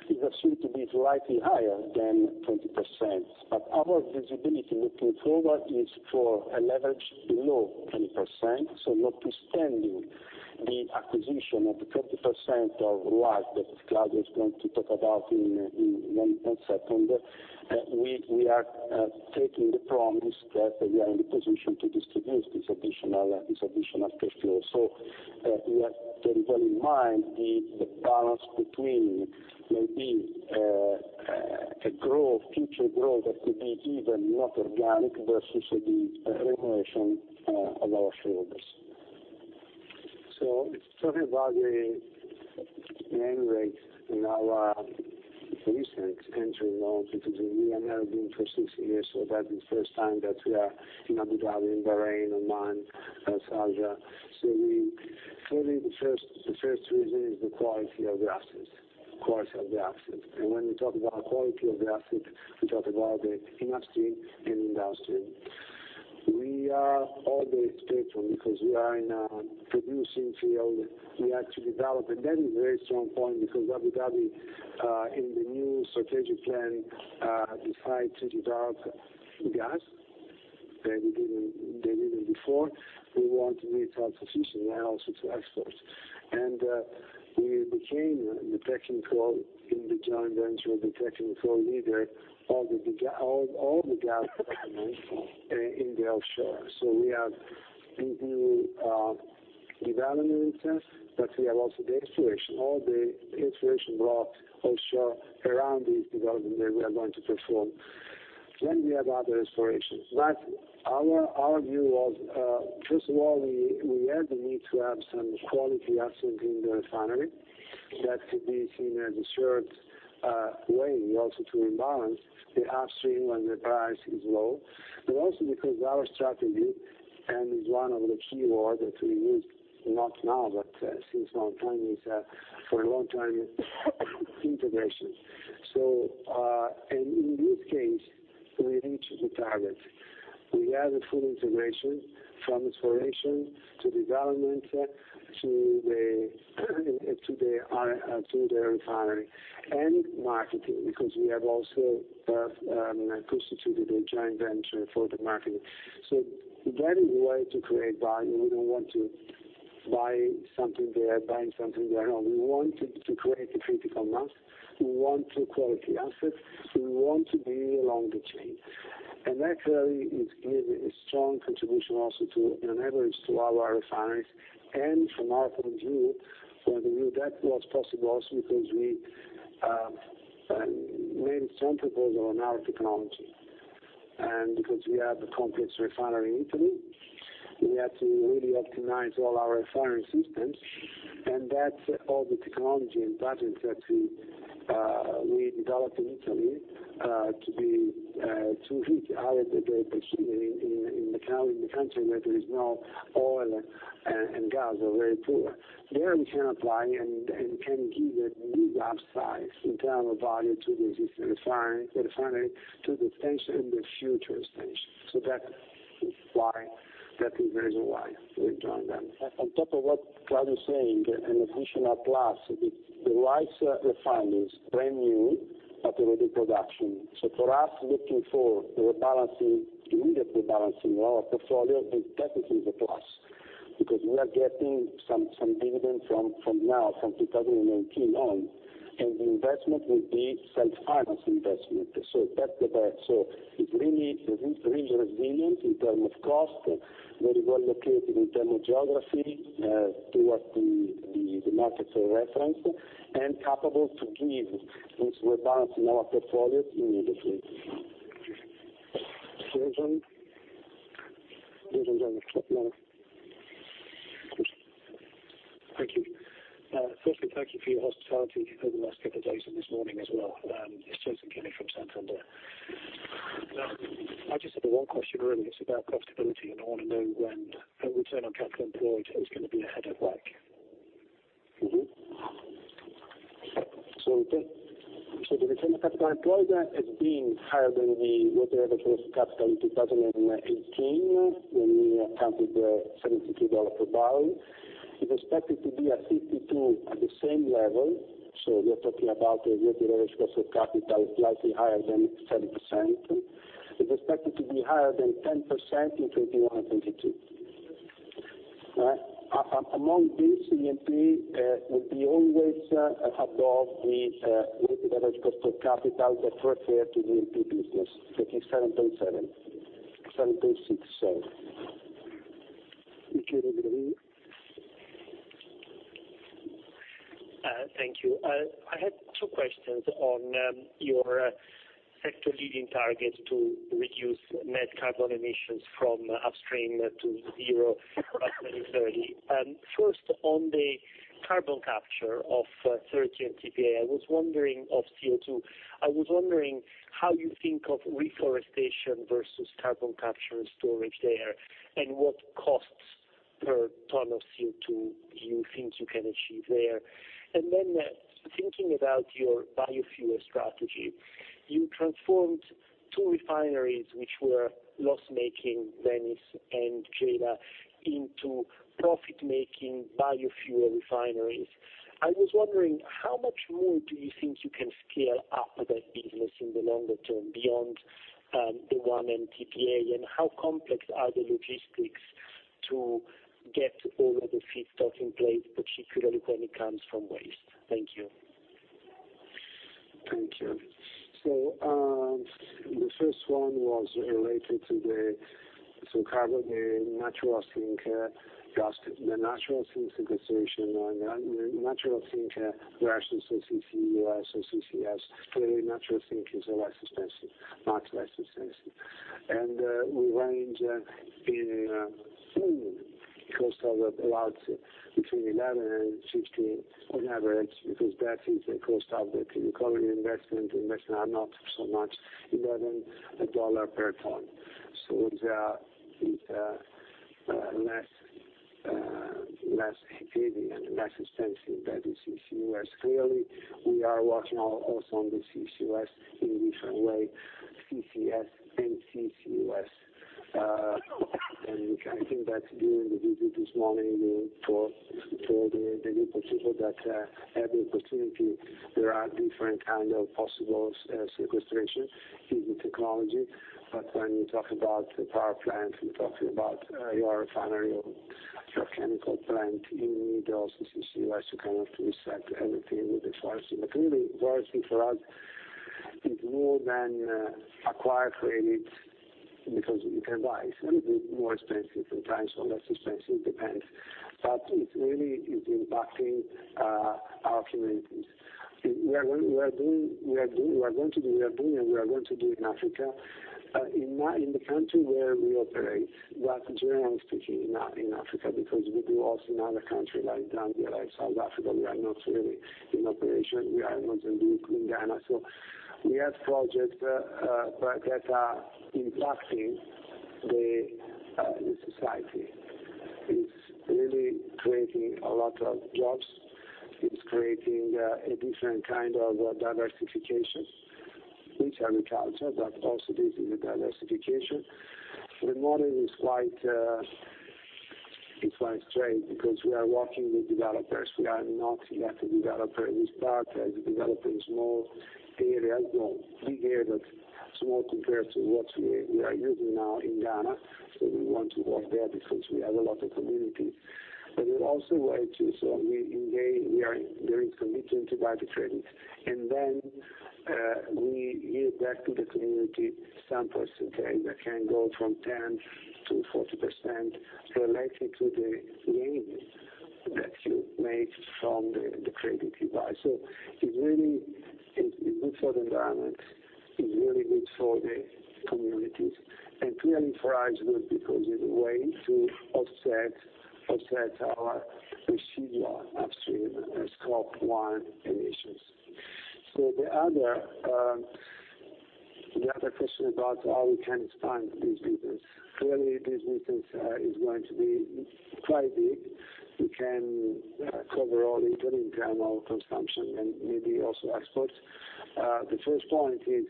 is assumed to be slightly higher than 20%. Our visibility looking forward is for a leverage below 20%. Notwithstanding the acquisition of the 20% of Ruwais that Claudio is going to talk about in one second, we are taking the promise that we are in the position to distribute this additional cash flow. We are keeping well in mind the balance between maybe a future growth that could be even not organic versus the remuneration of our shareholders. Talking about the entry in our recent entry into the UAE and Arab for 6 years. That is first time that we are in Abu Dhabi, in Bahrain, Oman, Qatar. Clearly the first reason is the quality of the assets. When we talk about quality of the asset, we talk about the upstream and downstream. We are always stable because we are in a producing field. We had to develop, and that is a very strong point because Abu Dhabi, in the new strategic plan, decide to develop gas. They didn't before. We want to meet our position and also to export. We became the technical in the joint venture, the technical leader of all the gas development in the offshore. We do development itself, but we have also the exploration. All the exploration block offshore around these development that we are going to perform. We have other explorations. Our view was, first of all, we had the need to have some quality assets in the refinery that could be seen as a assured way also to rebalance the upstream when the price is low, but also because our strategy, and one of the key word that we use, not now, but since long time, is for a long time, integration. In this case, we reached the target. We have a full integration from exploration to development to the refinery and marketing, because we have also constituted a joint venture for the marketing. That is the way to create value. We don't want to buying something there, buying something there. No, we want to create a critical mass. We want good quality assets. We want to be along the chain. That clearly is giving a strong contribution also on average to our refineries. From our point of view, that was possible also because we made some proposal on our technology, and because we have a complex refinery in Italy. We had to really optimize all our refinery systems, and that's all the technology and patents that we developed in Italy to reach out the machine in the country where there is no oil and gas, or very poor. There we can apply and can give a new upside in terms of value to the refinery, to the extension, the future extension. That is the reason why we're doing that. On top of what Claudio is saying, an additional plus, the Ruwais refineries, brand new, but already in production. For us, looking for the rebalancing, immediate rebalancing of our portfolio, that is a plus. We are getting some dividend from now, from 2019 on, and the investment will be self-financed investment. It's really resilient in terms of cost, very well located in terms of geography towards the markets of reference, and capable to give this rebalance in our portfolio immediately. Jason. Jason, go ahead and talk now. Thank you. Firstly, thank you for your hospitality over the last couple of days and this morning as well. It's Jason Kenney from Santander. I just have the one question really. It's about profitability, and I want to know when a return on capital employed is going to be ahead of WACC. The return on capital employed has been higher than the weighted average cost of capital in 2018, when we counted $72 per barrel. We expect it to be at $52 at the same level. We are talking about a weighted average cost of capital slightly higher than 7%. We expect it to be higher than 10% in 2021 and 2022. Among this, E&P will be always above the weighted average cost of capital that refer to the E&P business, which is 7.7%, 7.6%. Michele, do you agree? Thank you. I had two questions on your sector leading target to reduce net carbon emissions from upstream to zero by 2030. First, on the carbon capture of 30 MTPA of CO2, I was wondering how you think of reforestation versus carbon capture and storage there, and what costs per ton of CO2 you think you can achieve there. Thinking about your biofuel strategy, you transformed two refineries which were loss-making, Venice and Gela, into profit-making biofuel refineries. I was wondering how much more do you think you can scale up that business in the longer term beyond the one MTPA, and how complex are the logistics to get all of the feedstock in place, particularly when it comes from waste? Thank you. Thank you. The first one was related to the carbon, the natural sink sequestration. The natural sink versus CCS. Clearly, natural sink is less expensive, much less expensive. We range in cost of about between 11 and 16 on average, because that is the cost of the recovery investment. Investment are not so much, $11 per ton. It's less heavy and less expensive than the CCUS. Clearly, we are working also on the CCUS in a different way, CCS and CCUS. I think that during the visit this morning for the new people that had the opportunity, there are different kind of possible sequestration using technology. When you talk about power plant, you're talking about your refinery or your chemical plant. You need also CCUS. You cannot recycle everything with the sourcing. Really, sourcing for us is more than acquired credit because you can buy. It's a little bit more expensive sometimes or less expensive, depends. It really is impacting our communities. We are doing and we are going to do in Africa. In the country where we operate. Generally speaking, in Africa, because we do also in other country like Zambia, like South Africa, we are not really in operation. We are not in Ghana. We have projects that are impacting the society. It's really creating a lot of jobs. It's creating a different kind of diversification, which are the culture, but also this is a diversification. The model is quite straight because we are working with developers. We are not yet a developer in this part. As a developer in small areas, no, big areas. Small compared to what we are using now in Ghana. We want to work there because we have a lot of community. We also wait too, so we engage. They are in commitment to buy the credits, and then we give back to the community some percentage that can go from 10% to 40% related to the gains that you make from the credit you buy. It's really good for the environment, it's really good for the communities, and clearly for us good because it's a way to offset our residual upstream Scope 1 emissions. The other question about how we can expand these business. Clearly, this business is going to be quite big. We can cover all internal consumption and maybe also exports. The first point is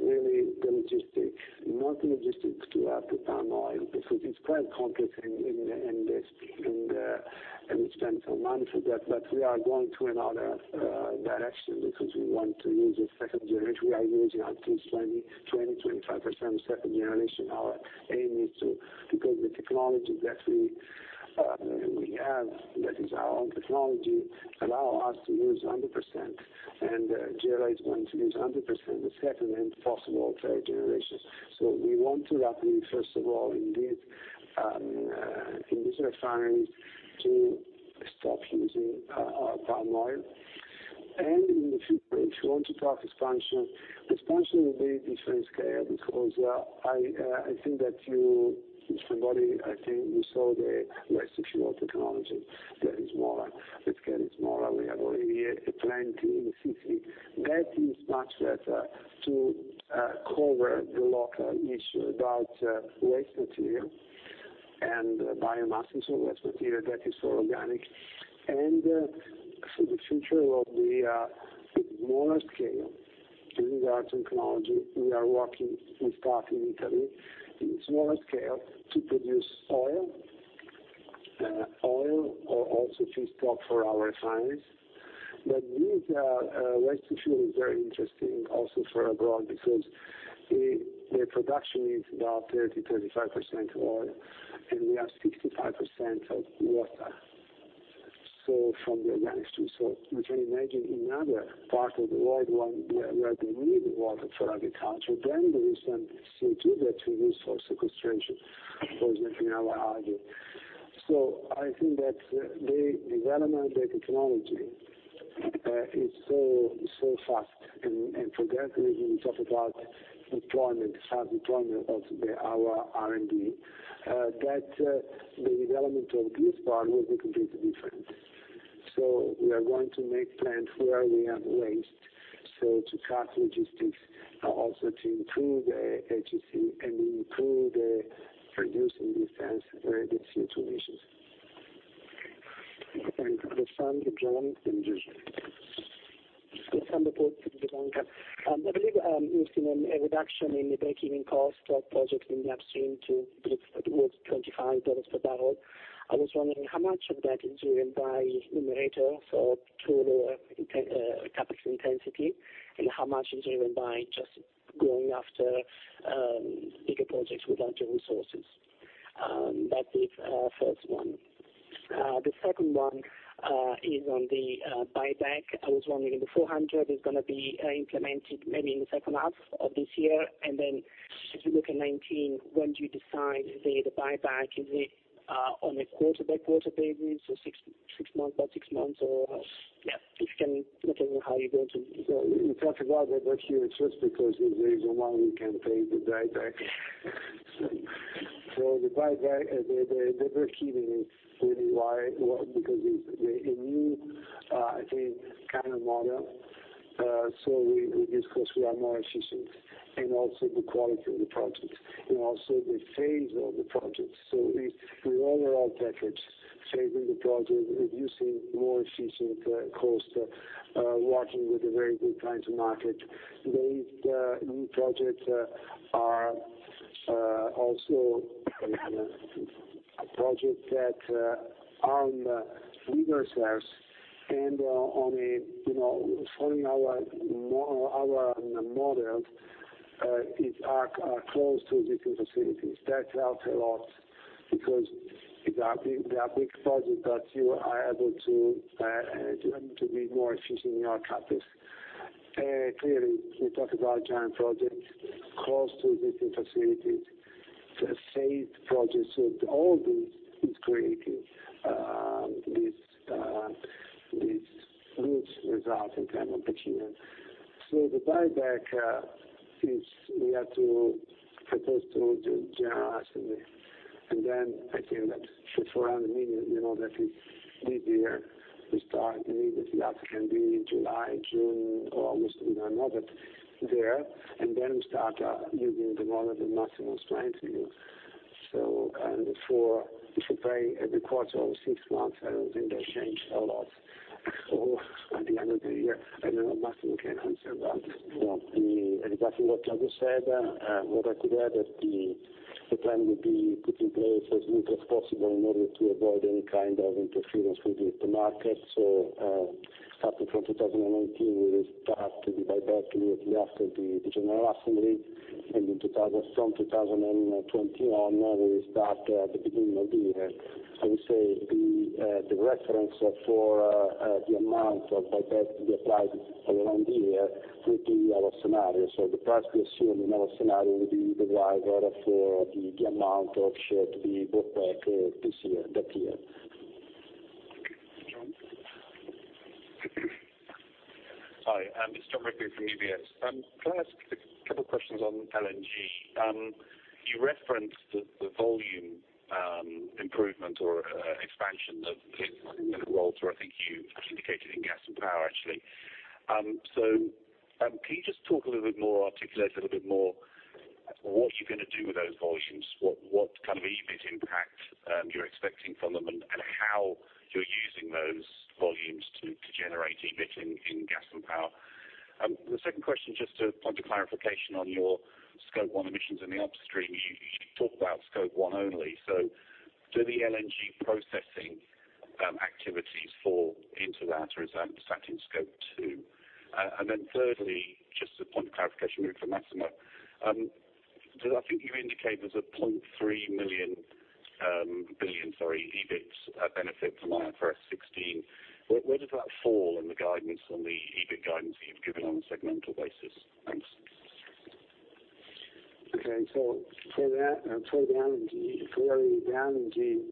really the logistics, not the logistics to have the palm oil, because it's quite complicated and it's been some months. We are going to another direction because we want to use a second generation. We are using at least 20%, 25% second generation. Our aim is to, because the technology that we have, that is our own technology, allow us to use 100%, and Gela is going to use 100% the second and possible third generations. We want to rapidly, first of all, in these refineries, to stop using palm oil. In the future, if you want to talk expansion will be different scale, because I think that you, Somebody, I think you saw the waste-to-fuel technology. That is smaller, the scale is smaller. We have already a plant in Sicily. That is much better to cover the local issue about waste material and biomass and so waste material that is so organic. The future will be a smaller scale. Using our technology, we are working with Café in Italy in smaller scale to produce oil. Oil, or also feedstock for our refineries. This waste-to-fuel is very interesting also for abroad because the production is about 30%, 35% oil, and we have 65% of water. From the organic stream. You can imagine in other parts of the world where they need water for agriculture, then there is some CO2 there to use for sequestration, for example, in Algeria. I think that the development of the technology is so fast, and for that reason, we talk about employment, job employment of our R&D, that the development of this part will be completely different. We are going to make plants where we have waste, to cut logistics, also to improve the agency and improve the reducing these CO2 emissions. Hassan, Jon. Hassan Dawood from JP Morgan. I believe you've seen a reduction in the breakeven cost for projects in the upstream towards $25 per barrel. I was wondering how much of that is driven by numerator, so through the CapEx intensity, and how much is driven by just going after bigger projects with larger resources. That is first 1. The second 1 is on the buyback. I was wondering if the 400 is going to be implemented maybe in the second half of this year, and then as you look at 2019, when do you decide the buyback? Is it on a quarter by quarter basis, or six months by six months, or if you can look at how you're going to? We talk about the breakevens first because it is the 1 we can pay the buyback. The buyback, the breakeven is really why, because it's a new, I think, kind of model. With this, because we are more efficient, and also the quality of the project, and also the phase of the project. The overall package, phasing the project, reducing more efficient cost, working with a very good kind of market. The new projects are also a project that on [rigorsers] and following our model, it are close to different facilities. That helps a lot because they are big projects that you are able to be more efficient in your CapEx. Clearly, we talk about giant projects close to different facilities, safe projects. All this is creating this good result in term of breakeven. The buyback is we have to propose to general assembly and then I think that for EUR 400 million, that is this year. We start immediately. That can be in July, June, or August. We don't know that there. We start using the model the maximum strength we use. For to pay every quarter or six months, I don't think that change a lot. At the end of the year, I don't know, Massimo can answer that. Exactly what Claudio said. What I could add is the plan will be put in place as soon as possible in order to avoid any kind of interference with the market. Starting from 2019, we will start the buyback immediately after the general assembly, and from 2021, we will start at the beginning of the year. I would say the reference for the amount of buyback to be applied along the year will be our scenario. The price we assume in our scenario will be the driver for the amount of share to be bought back that year. Jon? Hi, it's Jon Rigby from UBS. Can I ask a couple questions on LNG? You referenced the volume improvement or expansion that was involved, or I think you indicated in Gas & Power, actually. Can you just talk a little bit more, articulate a little bit more, what you're going to do with those volumes, what kind of EBIT impact you're expecting from them, and how you're using those volumes to generate EBIT in Gas & Power? The second question, just a point of clarification on your Scope 1 emissions in the upstream. You talk about Scope 1 only. Do the LNG processing activities fall into that, or is that sat in Scope 2? Thirdly, just a point of clarification for Massimo. I think you indicate there's a 0.3 billion, sorry, EBIT benefit from IFRS 16. Where does that fall in the guidance on the EBIT guidance that you've given on a segmental basis? Thanks. Okay, for the LNG, clearly the LNG,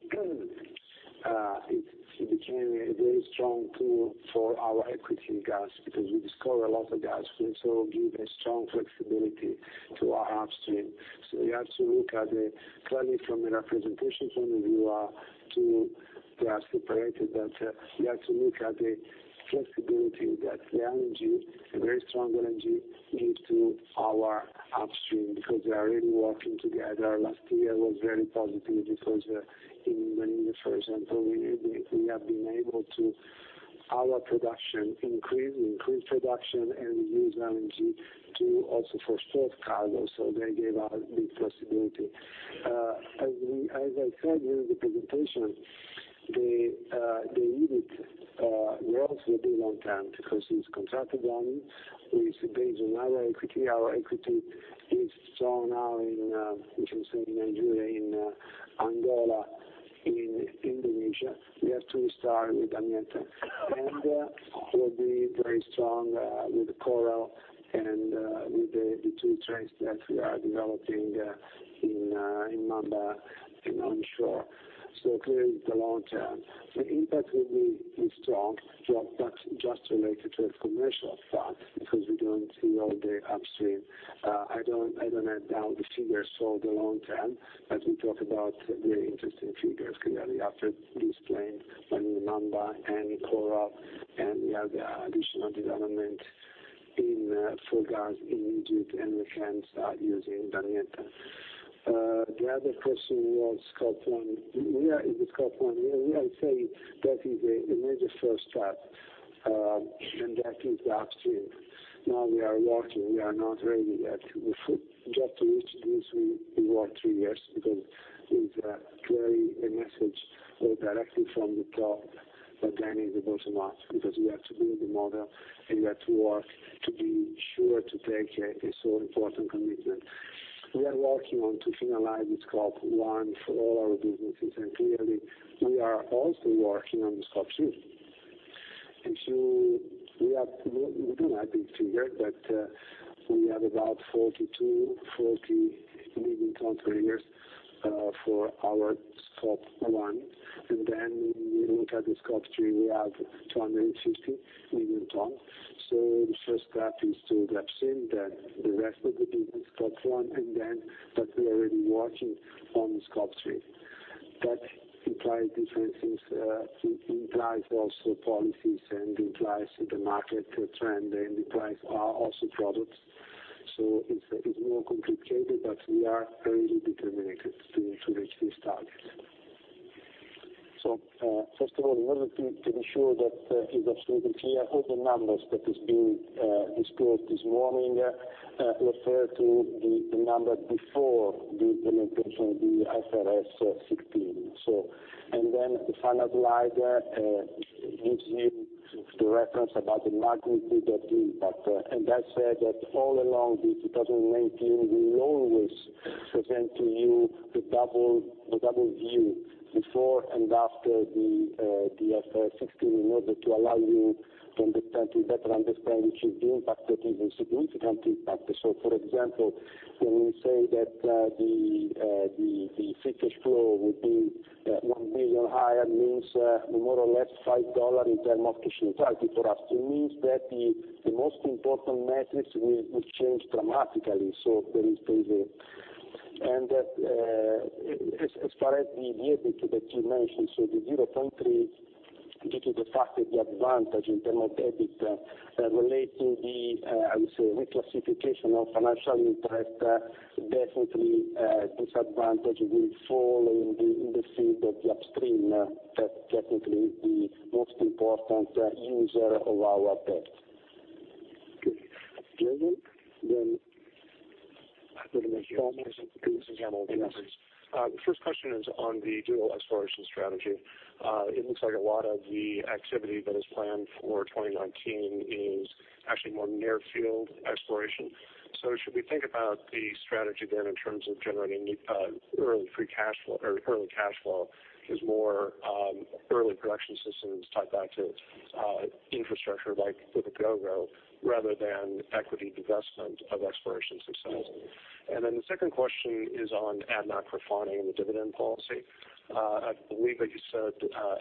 it became a very strong tool for our equity in gas because we discover a lot of gas, which will give a strong flexibility to our upstream. We have to look at it clearly from a representation point of view to the separator, but we have to look at the flexibility that the LNG, a very strong LNG, gives to our upstream because they are really working together. Last year was very positive because in Nigeria, for example, we have been able to increase production and use LNG also for spot cargo. They gave a big possibility. As I said during the presentation, the EBIT growth will be long term because it's contracted LNG, which is based on our equity. Our equity is strong now in, we can say, Nigeria, in Angola, in Indonesia. We have to restart with Damietta, and we'll be very strong with the Coral and with the two trains that we are developing in Mamba in onshore. Clearly, it's the long term. The impact will be strong, but just related to the commercial part, because we don't see all the upstream. I don't have now the figures for the long term, but we talk about very interesting figures clearly after this plan, when Mamba and Coral and the other additional development for gas in Egypt, and we can start using Damietta. The other question was Scope 1. With Scope 1, I would say that is a major first step, and that is upstream. Now we are working. We are not ready yet. Just to reach this, we worked three years because it's clearly a message directly from the top, but then it involves a lot, because we have to build the model, and we have to work to be sure to take a so important commitment. We are working on to finalize the Scope 1 for all our businesses. Clearly, we are also working on Scope 2. We do not have the figure, but we have about 42-40 million tons per year for our Scope 1. When you look at the Scope 3, we have 250 million tons. The first step is to upstream, then the rest of the business, Scope 1, and then that we are already working on Scope 3. That implies different things. It implies also policies and implies the market trend and implies our also products. It's more complicated, but we are very determined to reach this target. First of all, in order to ensure that it is absolutely clear, all the numbers that is being disclosed this morning refer to the number before the implementation of the IFRS 16. The final slide gives you the reference about the magnitude of the impact. That said, all along 2019, we will always present to you the double view before and after the IFRS 16 in order to allow you to better understand the impact, that is a significant impact. For example, when we say that the free cash flow will be 1 billion higher, means more or less EUR 5 in terms of cash royalty for us. It means that the most important metrics will change dramatically. As far as the EBIT that you mentioned, the 0.3, due to the fact that the advantage in terms of EBIT relating the, I would say, reclassification of financial interest, definitely this advantage will fall in the field of the upstream. That technically is the most important user of our debt. The first question is on the dual exploration strategy. It looks like a lot of the activity that is planned for 2019 is actually more near field exploration. Should we think about the strategy then in terms of generating early cash flow is more early production systems tied back to infrastructure, like with the G∙row, rather than equity divestment of exploration success? The second question is on ADNOC Refining and the dividend policy. I believe that you said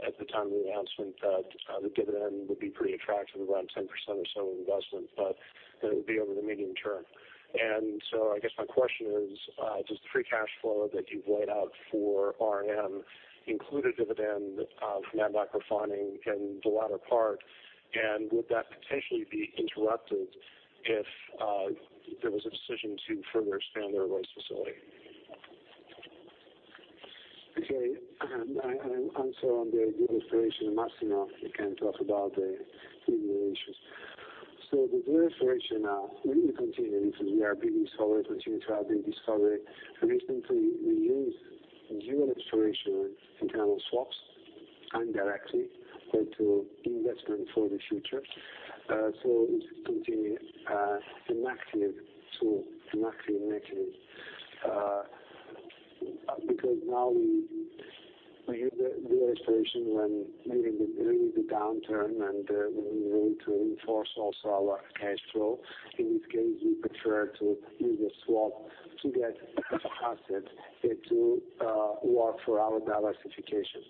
at the time of the announcement that the dividend would be pretty attractive, around 10% or so on investment, but that it would be over the medium term. I guess my question is, does the free cash flow that you've laid out for R&M include a dividend of ADNOC Refining in the latter part, and would that potentially be interrupted if there was a decision to further expand their Ruwais facility? Okay. Also on the dual exploration, Massimo can talk about the dual issues. The dual exploration are really continuing. We are pretty solid, continue to have been discovered. Recently, we used dual exploration internal swaps indirectly into investment for the future. It is continuing an active tool, an active mechanism, because now we use the dual exploration when we're in the downturn, and we need to reinforce also our cash flow. In this case, we prefer to use a swap to get asset into work for our diversification.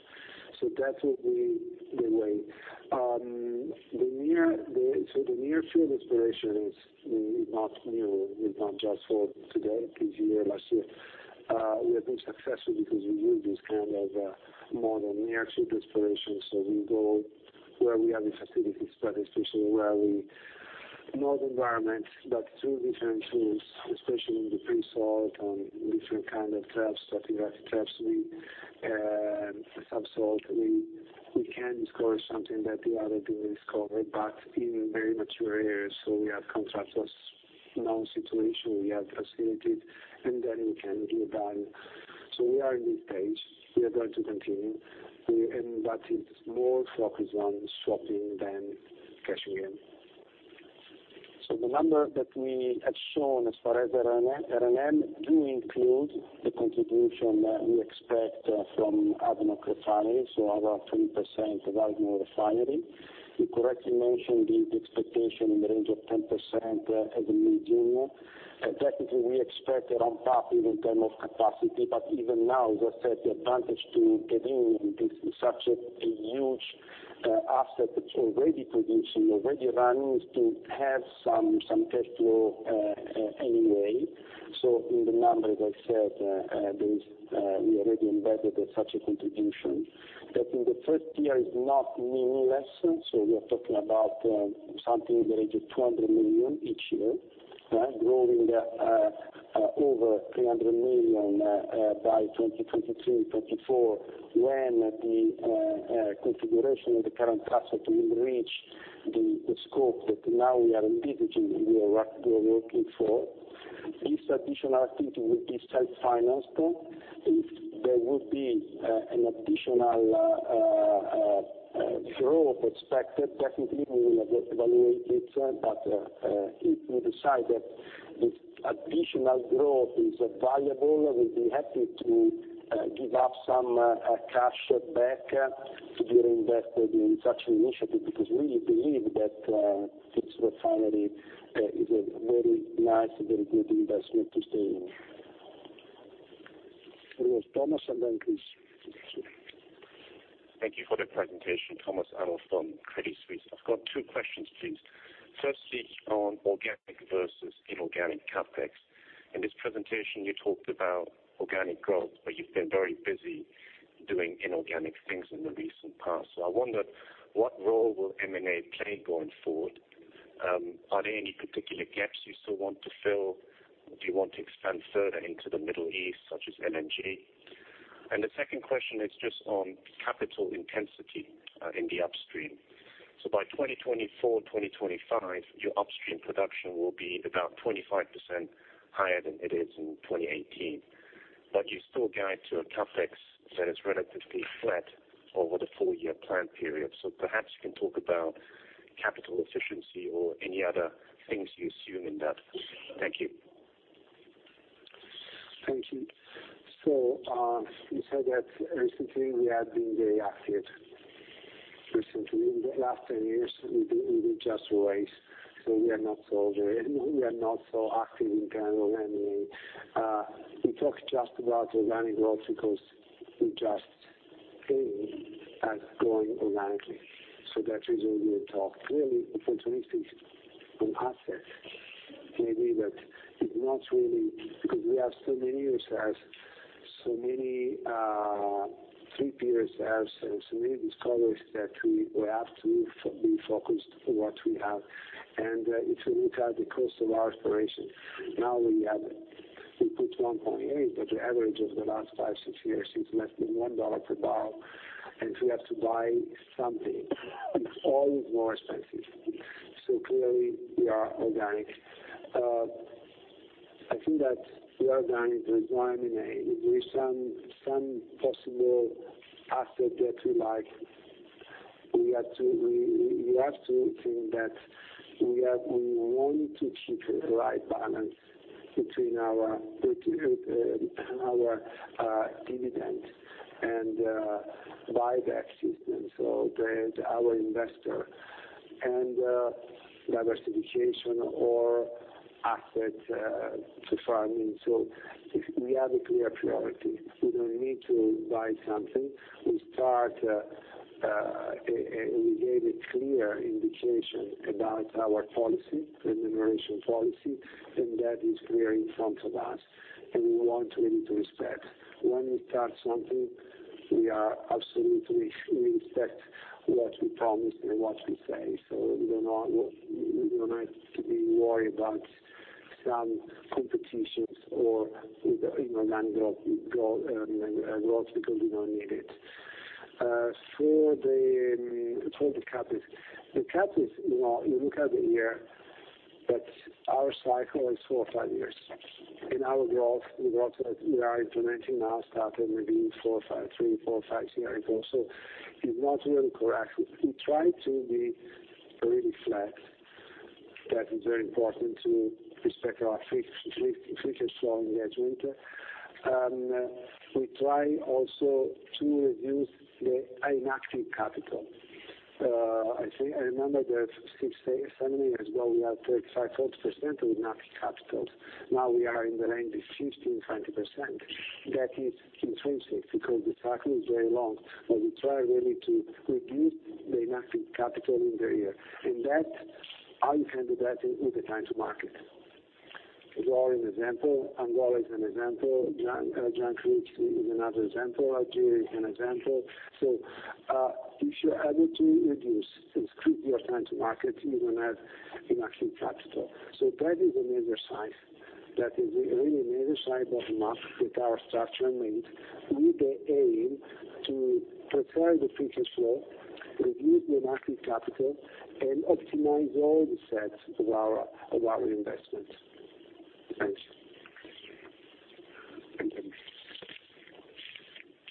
That will be the way. The near field exploration is really not new. It is not just for today, this year, last year. We have been successful because we use this kind of more the near field exploration. We go where we have facilities, but two different tools, especially in the pre-salt, on different kind of traps, stratigraphic traps, subsalt. We can discover something that the other didn't discover, but in very mature areas. We have contract non-situation, we have facility, we can drill down. We are in this phase. We are going to continue, and that is more focused on swapping than cashing in. The number that we have shown as far as R&M do include the contribution that we expect from ADNOC Refining. Our 20% of ADNOC Refining. You correctly mentioned the expectation in the range of 10% as a medium. Technically, we expect it on target in terms of capacity. Even now, as I said, the advantage to getting into such a huge asset that's already producing, already running, is to have some cash flow anyway. In the numbers I said, we already embedded such a contribution, that in the first year is not meaningless. We are talking about something in the range of 200 million each year. Growing over 300 million by 2023, 2024, when the configuration of the current capacity will reach the scope that now we are envisaging, we are working for. This additional activity will be self-financed. If there would be an additional growth expected, technically, we will evaluate it. If we decide that this additional growth is valuable, we'll be happy to give up some cash back to be reinvested in such an initiative, because we believe that this refinery is a very nice, very good investment to stay in. Thomas, and then Chris. Thank you for the presentation. Thomas Adolff from Credit Suisse. I've got two questions, please. Firstly, on organic versus inorganic CapEx. In this presentation, you talked about organic growth, you've been very busy doing inorganic things in the recent past. I wonder what role will M&A play going forward? Are there any particular gaps you still want to fill? Do you want to expand further into the Middle East, such as LNG? The second question is just on capital intensity in the upstream. By 2024, 2025, your upstream production will be about 25% higher than it is in 2018. You still guide to a CapEx that is relatively flat over the four-year plan period. Perhaps you can talk about capital efficiency or any other things you assume in that. Thank you. Thank you. You said that recently we have been very active. Recently, in the last 10 years, we did just raise. We are not so active in kind of M&A. We talk just about organic growth because we just aim at growing organically. That is all we will talk, really, opportunistic on asset. Maybe that it is not really because we have so many reserves, so many 3P reserves, and so many discoveries that we have to be focused what we have. If you look at the cost of our exploration, now we put $1.8, but the average of the last five, six years is less than $1 per barrel. If we have to buy something, it is always more expensive. Clearly, we are organic. I think that we are going to join in if there is some possible asset that we like. We have to think that we want to keep the right balance between our dividend and buyback system, so that our investor and diversification or asset to farming. We have a clear priority. We do not need to buy something. We gave a clear indication about our remuneration policy, and that is clear in front of us, and we want really to respect. When we start something, we absolutely respect what we promise and what we say. You do not have to be worried about some competitions or any growth, because we do not need it. For the CapEx. The CapEx, you look at the year, but our cycle is four or five years. Our growth, the growth that we are implementing now, started maybe three, four, five years ago. It is not really correct. We try to be really flat. That is very important to respect our free cash flow in the winter. We try also to reduce the inactive capital. I remember that six, seven years ago, we had 35%-40% of inactive capital. Now we are in the range of 15%-20%. That is intrinsic, because the cycle is very long, but we try really to reduce the inactive capital in the year. How you can do that is with the time to market. Angola is an example. Jan Mayen is another example. Algeria is an example. If you are able to reduce, it could be your time to market, you do not have inactive capital. That is another side. That is really another side of the map that our structure made with the aim to protect the future flow, reduce the inactive capital, and optimize all the assets of our investment. Thanks.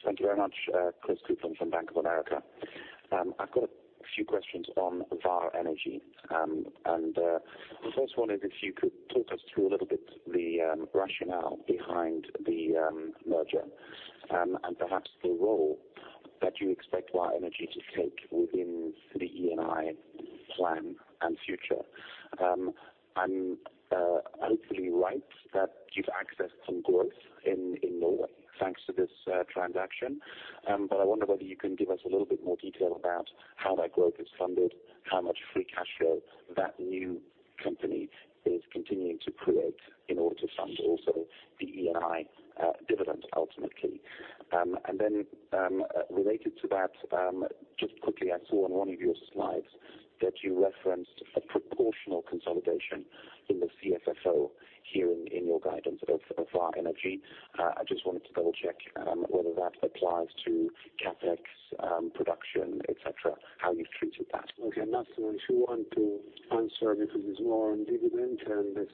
Thank you very much. Chris Cooper from Bank of America. I have got a few questions on Vår Energi. The first one is if you could talk us through a little bit the rationale behind the merger, perhaps the role that you expect Vår Energi to take within the Eni plan and future. I am hopefully right that you have accessed some growth in Norway thanks to this transaction. I wonder whether you can give us a little bit more detail about how that growth is funded, how much free cash flow that new company is continuing to create in order to fund also the Eni dividend ultimately. Then, related to that, just quickly, I saw on one of your slides that you referenced a proportional consolidation in the CFFO here in your guidance of Vår Energi. I just wanted to double check whether that applies to CapEx production, et cetera, how you've treated that. Okay, Massimo, if you want to answer, because it's more on dividend and the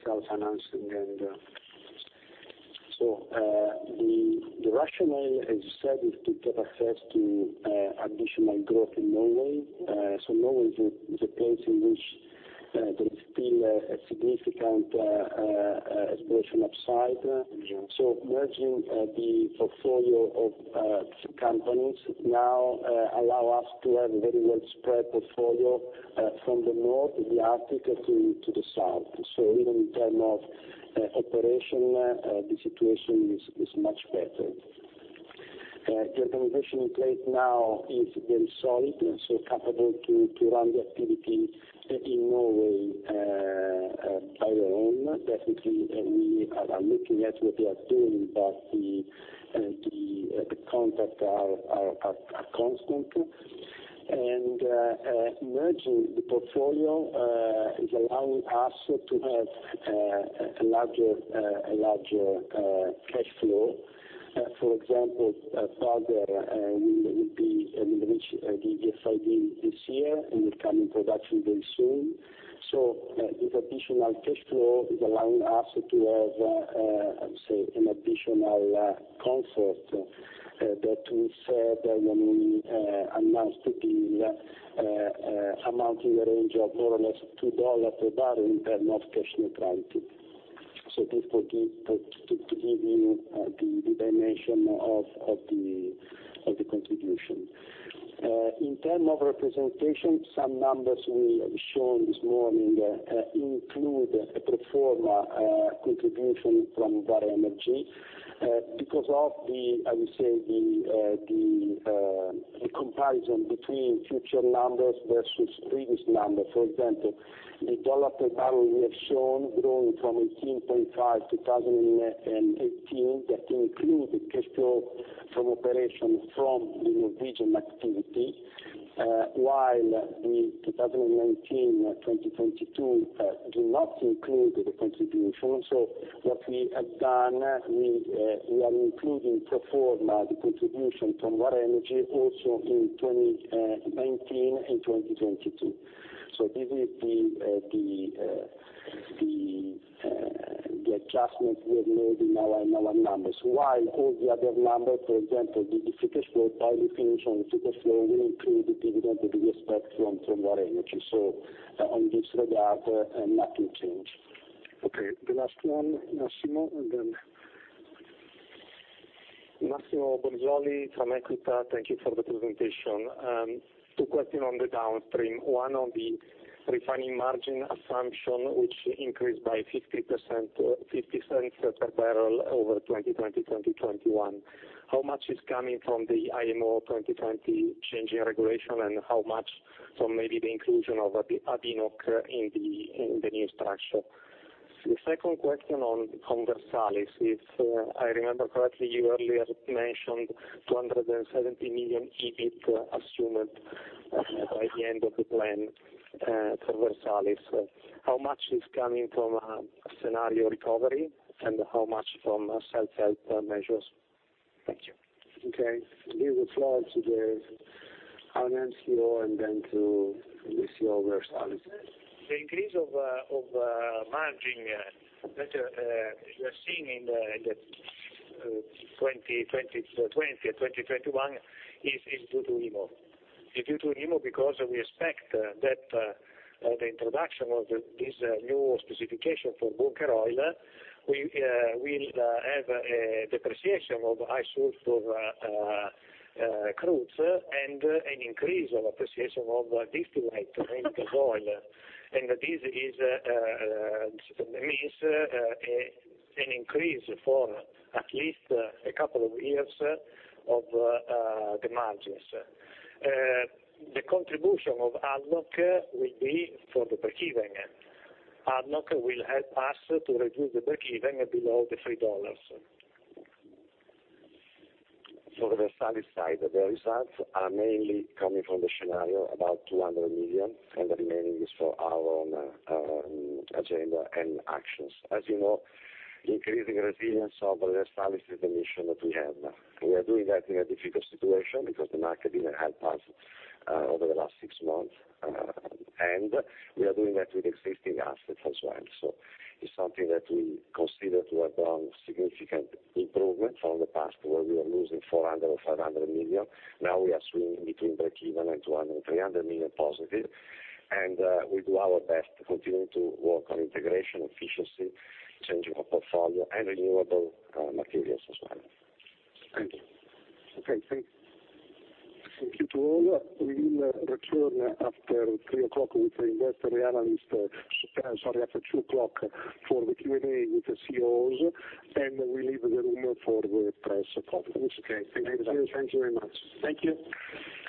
self-financing. The rationale, as you said, is to get access to additional growth in Norway. Norway is a place in which there is still a significant exploration upside. Merging the portfolio of companies now allow us to have a very well spread portfolio from the North, the Arctic, to the South. Even in term of operation, the situation is much better. The organization in place now is very solid, so capable to run the activity in Norway by their own. Definitely, we are looking at what they are doing, but the contacts are constant. Merging the portfolio is allowing us to have a larger cash flow. For example, Fenja will reach the FID this year, and will come in production very soon. This additional cash flow is allowing us to have, I would say, an additional comfort that we said, I mean, amounts in the range of more or less $2 a barrel in term of cash neutrality. This to give you the dimension of the contribution. In term of representation, some numbers we have shown this morning include a pro forma contribution from Vår Energi. Because of the, I would say, the comparison between future numbers versus previous numbers. For example, the dollar per barrel we have shown growing from 18.5, 2018, that include the cash flow from operation from the Norwegian activity, while in 2019, 2022, do not include the contribution. What we have done, we are including pro forma, the contribution from Vår Energi also in 2019 and 2022. This is the adjustment we have made in our numbers. While all the other numbers, for example, the refining margin assumption, will include the dividend that we expect from Vår Energi. On this regard, nothing change. Okay, the last one, Massimo, and then Massimo Bonisoli from Equita. Thank you for the presentation. Two question on the downstream. One on the refining margin assumption, which increased by 0.50 per barrel over 2020, 2021. How much is coming from the IMO 2020 changing regulation, and how much from maybe the inclusion of ADNOC in the new structure? The second question on Versalis. If I remember correctly, you earlier mentioned 270 million EBIT assumed by the end of the plan for Versalis. How much is coming from a scenario recovery, and how much from self-help measures? Thank you. Okay. Give the floor to the R&M CEO and then to the CEO of Versalis. The increase of margin that you are seeing in the 2020, 2021 is due to IMO. Is due to IMO because we expect that the introduction of this new specification for bunker oil, we will have a depreciation of high sulfur crudes and an increase of appreciation of distillate, main gas oil. This means an increase for at least a couple of years of the margins. The contribution of ADNOC will be for the breakeven. ADNOC will help us to reduce the breakeven below the $3. For the Versalis side, the results are mainly coming from the scenario, about 200 million, the remaining is for our own agenda and actions. As you know, increasing resilience of Versalis is the mission that we have. We are doing that in a difficult situation because the market didn't help us over the last six months. We are doing that with existing assets as well. It's something that we consider to have done significant improvement from the past, where we were losing 400 million or 500 million. Now we are swinging between breakeven and 200 million, 300 million positive. We do our best to continue to work on integration, efficiency, changing of portfolio, and renewable materials as well. Thank you. Okay, thanks. Thank you to all. We will return after 3:00 P.M. Sorry, after 2:00 P.M. for the Q&A with the CEOs, we leave the room for the press conference. Okay. Thank you. Thank you very much. Thank you.